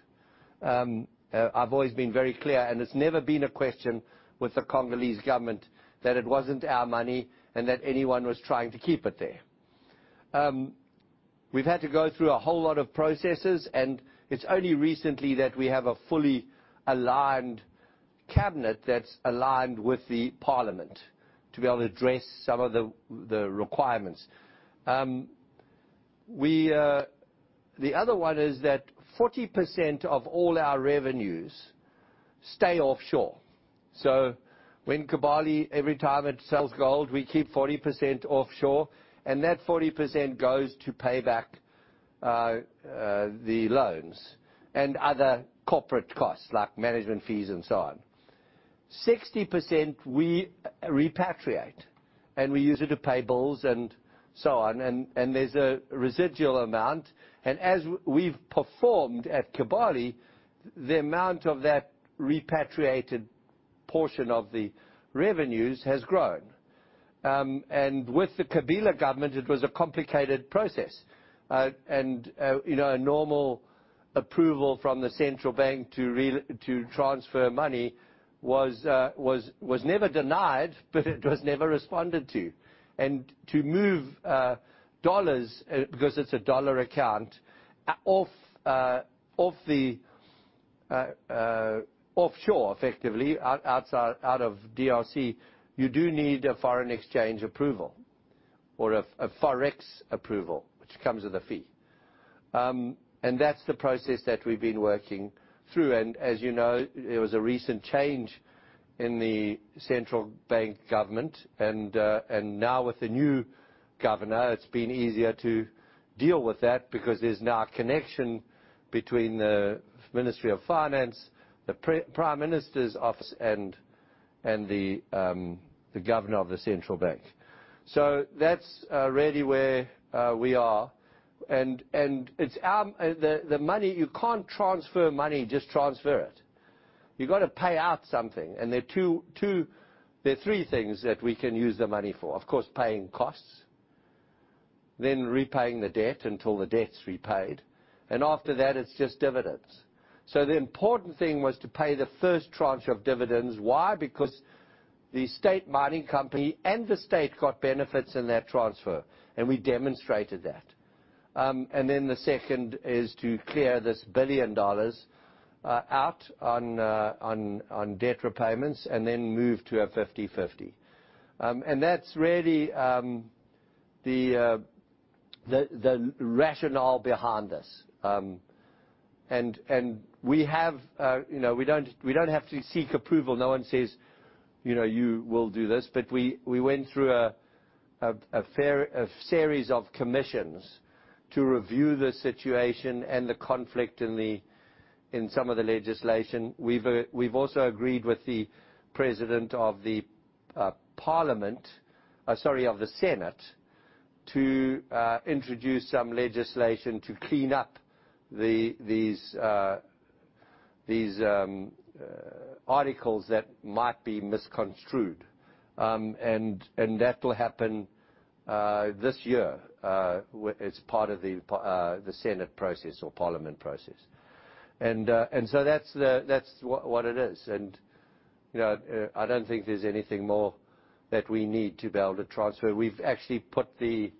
I've always been very clear, and it's never been a question with the Congolese government that it wasn't our money and that anyone was trying to keep it there. We've had to go through a whole lot of processes, and it's only recently that we have a fully aligned cabinet that's aligned with the parliament to be able to address some of the requirements. The other one is that 40% of all our revenues stay offshore. So when Kibali every time it sells gold, we keep 40% offshore, and that 40% goes to pay back the loans and other corporate costs, like management fees and so on. 60%, we repatriate, and we use it to pay bills and so on. There's a residual amount. As we've performed at Kibali, the amount of that repatriated portion of the revenues has grown. With the Kabila government, it was a complicated process. You know, a normal approval from the central bank to transfer money was never denied, but it was never responded to. To move dollars, because it's a dollar account, offshore effectively, outside out of DRC, you do need a foreign exchange approval or a Forex approval, which comes with a fee. That's the process that we've been working through. As you know, there was a recent change in the central bank government. Now with the new governor, it's been easier to deal with that because there's now a connection between the Ministry of Finance, the prime minister's office and the governor of the central bank. That's really where we are. The money, you can't just transfer it. You've got to pay out something. There are three things that we can use the money for. Of course, paying costs, then repaying the debt until the debt's repaid. After that, it's just dividends. The important thing was to pay the first tranche of dividends. Why? Because the state mining company and the state got benefits in that transfer, and we demonstrated that. Then the second is to clear this $1 billion out on debt repayments and then move to a 50-50. That's really the rationale behind this. We have, you know, we don't have to seek approval. No one says, you know, "You will do this." We went through a fair series of commissions to review the situation and the conflict in some of the legislation. We've also agreed with the president of the parliament, sorry, of the Senate, to introduce some legislation to clean up these articles that might be misconstrued. That will happen this year as part of the Senate process or parliament process. That's what it is. You know, I don't think there's anything more that we need to be able to transfer. We've actually put the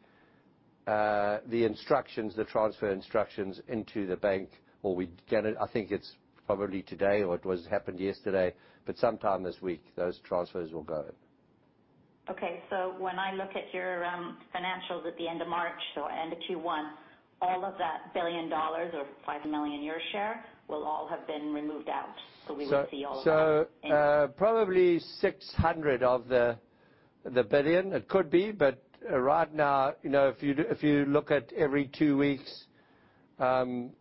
instructions, the transfer instructions into the bank, or we're gonna. I think it's probably today or it happened yesterday, but sometime this week, those transfers will go. When I look at your financials at the end of March or end of Q1, all of that $1 billion or $5 million your share will all have been removed out. We would see all of that in- Probably 600 of the billion. It could be, but right now, you know, if you look at every two weeks, there's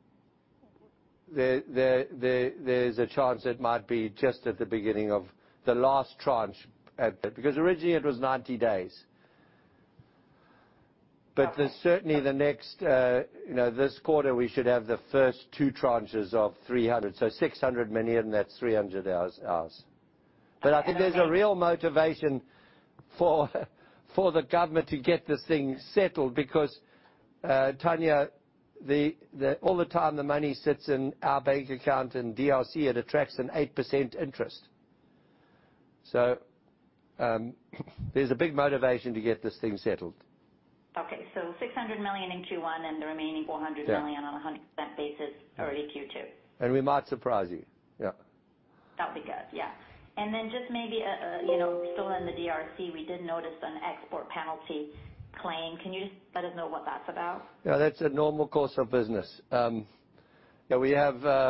a chance it might be just at the beginning of the last tranche at that. Because originally it was 90 days. Okay. Certainly the next quarter we should have the first two tranches of $300, so $600 million, that's 300 ours. And. I think there's a real motivation for the government to get this thing settled because, Tanya, all the time the money sits in our bank account in DRC, it attracts an 8% interest. There's a big motivation to get this thing settled. Okay. $600 million in Q1 and the remaining $400 million. Yeah. On a 100% basis early Q2. We might surprise you. Yeah. That'll be good. Yeah. Then just maybe a, you know, still in the DRC, we did notice an export penalty claim. Can you just let us know what that's about? Yeah, that's a normal course of business. Yeah, we have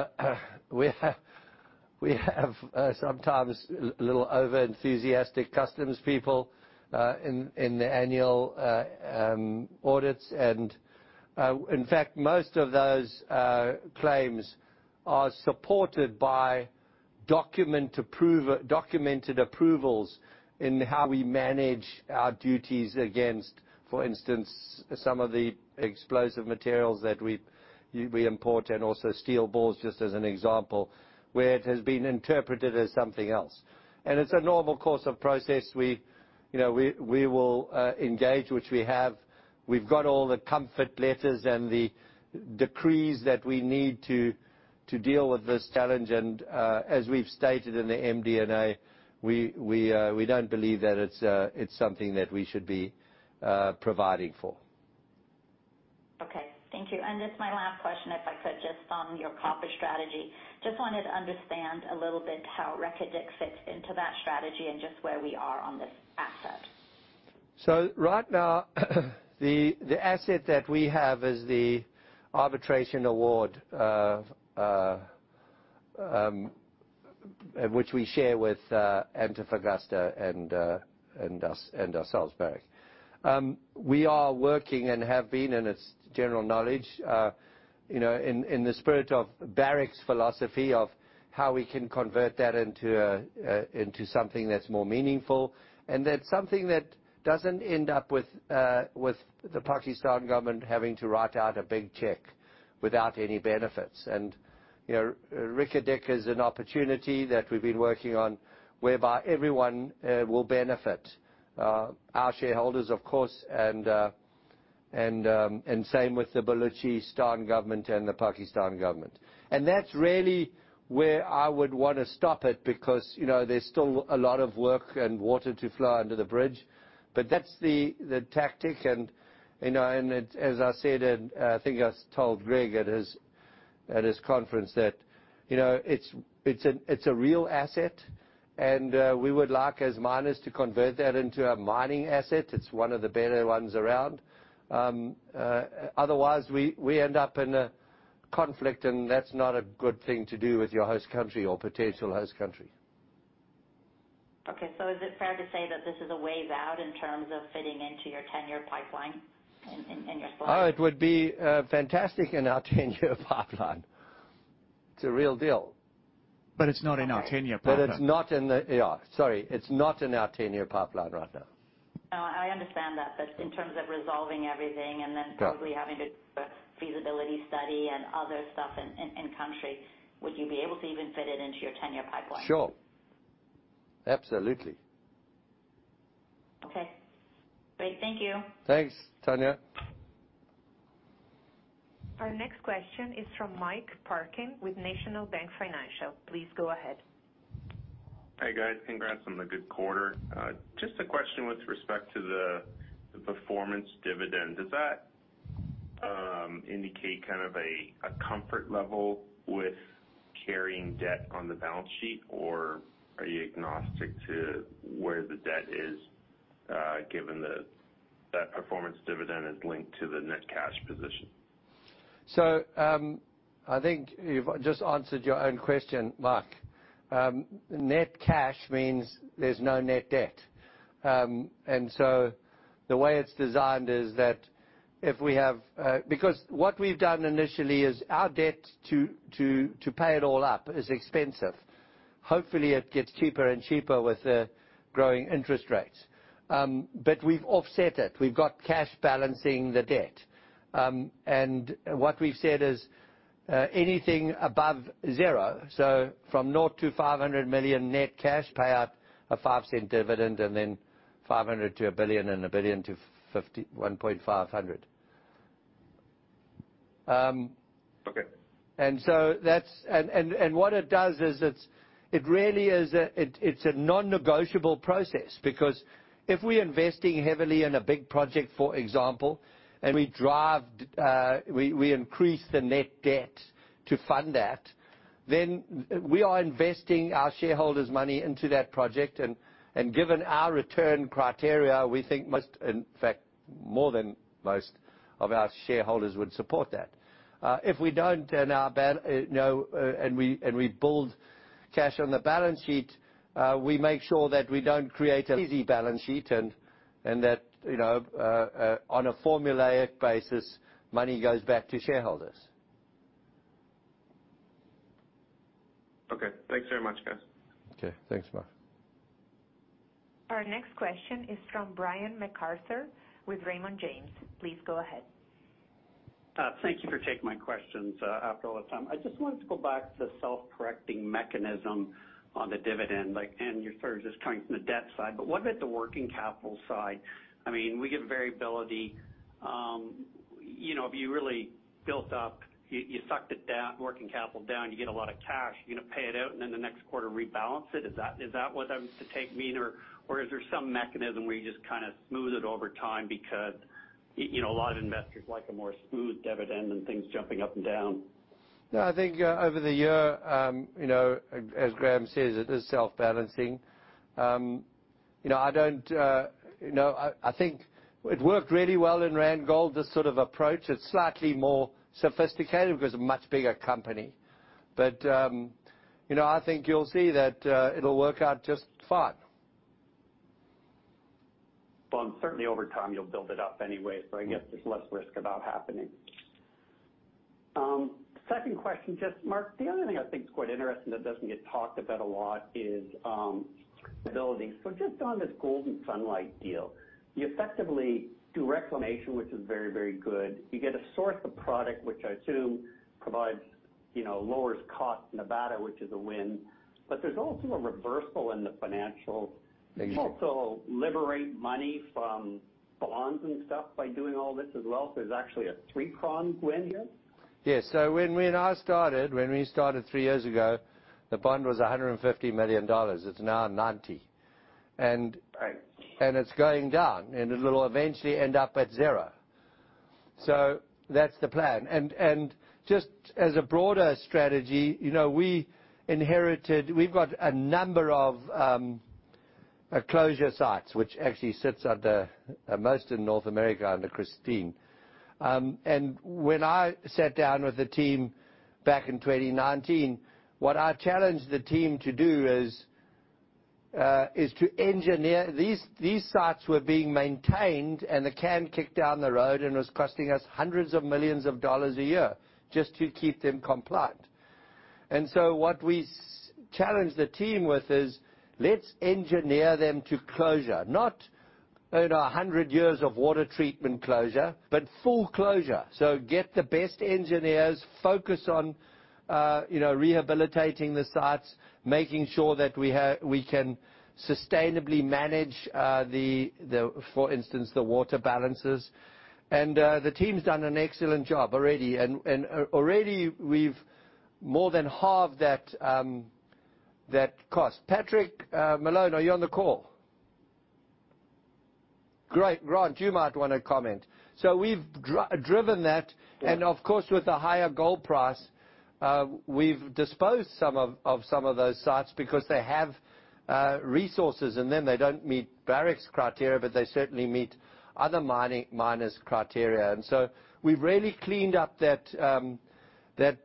sometimes a little over-enthusiastic customs people in the annual audits. In fact, most of those claims are supported by documented approvals in how we manage our duties against, for instance, some of the explosive materials that we import and also steel balls, just as an example, where it has been interpreted as something else. It's a normal course of business. We, you know, we will engage, which we have. We've got all the comfort letters and the decrees that we need to deal with this challenge. As we've stated in the MD&A, we don't believe that it's something that we should be providing for. Thank you. Just my last question, if I could, just on your copper strategy. Just wanted to understand a little bit how Reko Diq fits into that strategy and just where we are on this asset. Right now, the asset that we have is the arbitration award, which we share with Antofagasta and ourselves, Barrick. We are working and have been, and it's general knowledge, you know, in the spirit of Barrick's philosophy of how we can convert that into something that's more meaningful, and that's something that doesn't end up with the Pakistan government having to write out a big check without any benefits. You know, Reko Diq is an opportunity that we've been working on whereby everyone will benefit, our shareholders, of course, and same with the Balochistan government and the Pakistan government. That's really where I would wanna stop it because, you know, there's still a lot of work and water to flow under the bridge. That's the tactic and, you know, and as I said, and I think I told Greg at his conference that, you know, it's a real asset, and we would like, as miners, to convert that into a mining asset. It's one of the better ones around. Otherwise, we end up in a conflict, and that's not a good thing to do with your host country or potential host country. Okay, is it fair to say that this is a way out in terms of fitting into your ten-year pipeline in your slide? It would be fantastic in our 10-year pipeline. It's a real deal. It's not in our ten-year pipeline. Yeah, sorry, it's not in our ten-year pipeline right now. No, I understand that. In terms of resolving everything and then- Sure. Probably having to do a feasibility study and other stuff in country, would you be able to even fit it into your 10-year pipeline? Sure. Absolutely. Okay. Great. Thank you. Thanks, Tanya. Our next question is from Mike Parkin with National Bank Financial. Please go ahead. Hey, guys. Congrats on the good quarter. Just a question with respect to the performance dividend. Does that indicate kind of a comfort level with carrying debt on the balance sheet, or are you agnostic to where the debt is, given that performance dividend is linked to the net cash position? I think you've just answered your own question, Mark. Net cash means there's no net debt. The way it's designed is that if we have, because what we've done initially is our debt to pay it all up is expensive. Hopefully, it gets cheaper and cheaper with the growing interest rates. We've offset it. We've got cash balancing the debt. What we've said is, anything above zero, so from 0 to $500 million net cash, pay out a 5-cent dividend and then $500 million to $1 billion and $1 billion to $1.5 billion. Okay. What it does is it's a non-negotiable process because if we're investing heavily in a big project, for example, and we increase the net debt to fund that, then we are investing our shareholders' money into that project. Given our return criteria, we think most, in fact, more than most of our shareholders would support that. If we don't and we build cash on the balance sheet, we make sure that we don't create an easy balance sheet and that, you know, on a formulaic basis, money goes back to shareholders. Okay. Thanks very much, guys. Okay. Thanks, Mark. Our next question is from Brian MacArthur with Raymond James. Please go ahead. Thank you for taking my questions after all the time. I just wanted to go back to the self-correcting mechanism on the dividend, like, and you're sort of just coming from the debt side. What about the working capital side? I mean, we get variability. You know, if you really built up, you sucked it down, working capital down, you get a lot of cash, you're gonna pay it out and then the next quarter rebalance it. Is that what I'm to take mean? Or is there some mechanism where you just kinda smooth it over time because you know, a lot of investors like a more smooth dividend than things jumping up and down. No, I think over the year, you know, as Graham says, it is self-balancing. You know, I don't know, you know. I think it worked really well in Randgold, this sort of approach. It's slightly more sophisticated because it's a much bigger company. You know, I think you'll see that, it'll work out just fine. Well, certainly over time, you'll build it up anyway, so I guess there's less risk about happening. Second question, just Mark, the other thing I think is quite interesting that doesn't get talked about a lot is liability. Just on this Golden Sunlight deal, you effectively do reclamation, which is very, very good. You get a source of product, which I assume provides, you know, lowers cost in Nevada, which is a win. There's also a reversal in the financial. Yeah. You also liberate money from bonds and stuff by doing all this as well. There's actually a three-pronged win here. Yes. When we started 3 years ago, the bond was $150 million. It's now $90 million. It's going down, and it'll eventually end up at zero. That's the plan. Just as a broader strategy, you know, we inherited. We've got a number of closure sites which actually sits under most in North America under Christine. When I sat down with the team back in 2019, what I challenged the team to do is to engineer. These sites were being maintained, and the can kicked down the road and was costing us $hundreds of millions a year just to keep them compliant. What we challenged the team with is, let's engineer them to closure. Not in 100 years of water treatment closure, but full closure. Get the best engineers, focus on rehabilitating the sites, making sure that we can sustainably manage, for instance, the water balances. The team's done an excellent job already. Already we've more than halved that cost. Patrick Malone, are you on the call? Great. Grant, you might wanna comment. We've driven that. Yeah. Of course, with the higher gold price, we've disposed of some of those sites because they have resources and then they don't meet Barrick's criteria, but they certainly meet other miners' criteria. We've really cleaned up that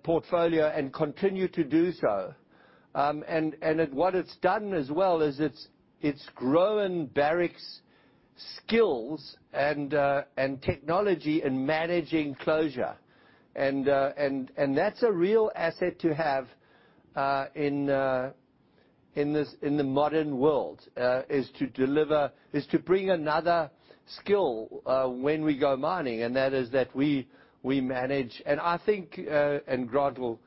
portfolio and continue to do so. What it's done as well is it's grown Barrick's skills and technology in managing closure. That's a real asset to have in the modern world, is to bring another skill when we go mining, and that is that we manage. I think Grant will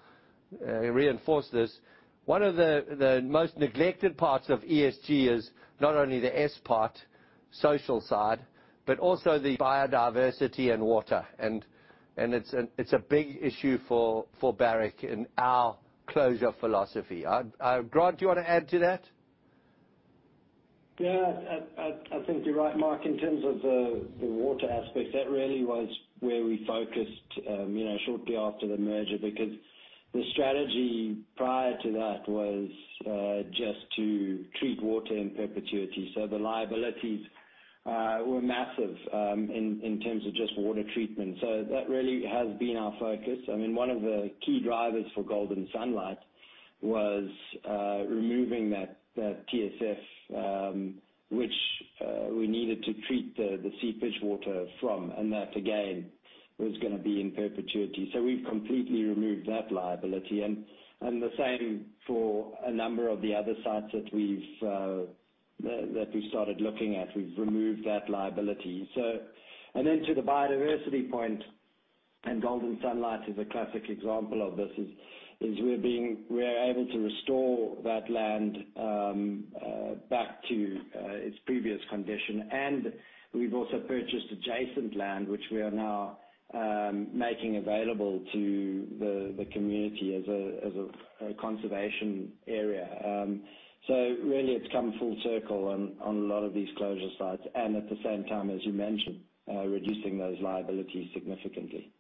reinforce this, one of the most neglected parts of ESG is not only the S part, social side, but also the biodiversity and water. It's a big issue for Barrick and our closure philosophy. Graham, do you wanna add to that? Yeah. I think you're right, Mark, in terms of the water aspect. That really was where we focused, you know, shortly after the merger because the strategy prior to that was just to treat water in perpetuity. So the liabilities were massive in terms of just water treatment. So that really has been our focus. I mean, one of the key drivers for Golden Sunlight was removing that TSF, which we needed to treat the seepage water from, and that again, was gonna be in perpetuity. So we've completely removed that liability and the same for a number of the other sites that we've started looking at. We've removed that liability. To the biodiversity point, and Golden Sunlight is a classic example of this. We're able to restore that land back to its previous condition. We've also purchased adjacent land, which we are now making available to the community as a conservation area. Really it's come full circle on a lot of these closure sites, and at the same time, as you mentioned, reducing those liabilities significantly.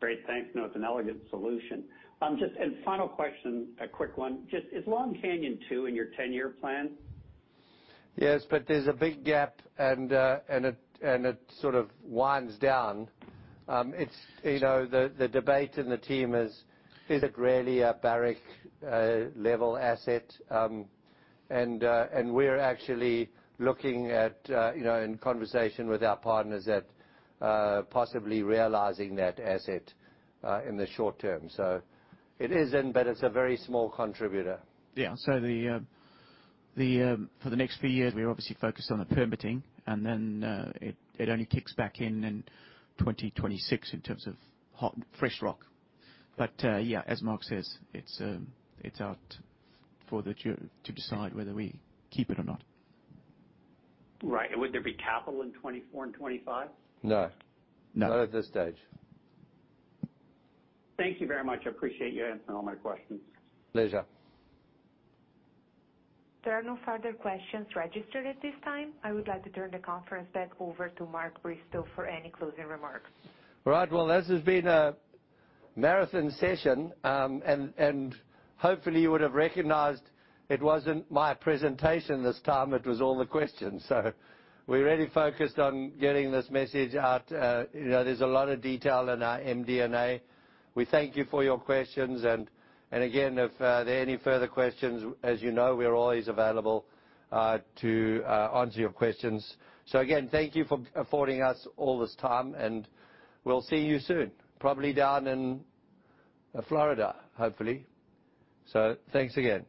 Great. Thanks. No, it's an elegant solution. Just a final question, a quick one. Is Long Canyon Two in your ten-year plan? Yes, but there's a big gap and it sort of winds down. It's the debate in the team: is it really a Barrick level asset? We're actually looking at you know in conversation with our partners at possibly realizing that asset in the short term. It isn't, but it's a very small contributor. For the next few years, we're obviously focused on the permitting and then it only kicks back in in 2026 in terms of hot, fresh rock. Yeah, as Mark says, it's out for the jury to decide whether we keep it or not. Right. Would there be capital in 2024 and 2025? No. No. Not at this stage. Thank you very much. I appreciate you answering all my questions. Pleasure. There are no further questions registered at this time. I would like to turn the conference back over to Mark Bristow for any closing remarks. All right. Well, this has been a marathon session, and hopefully you would have recognized it wasn't my presentation this time, it was all the questions. We're really focused on getting this message out. You know, there's a lot of detail in our MD&A. We thank you for your questions. And again, if there are any further questions, as you know, we are always available to answer your questions. Again, thank you for affording us all this time, and we'll see you soon, probably down in Florida, hopefully. Thanks again.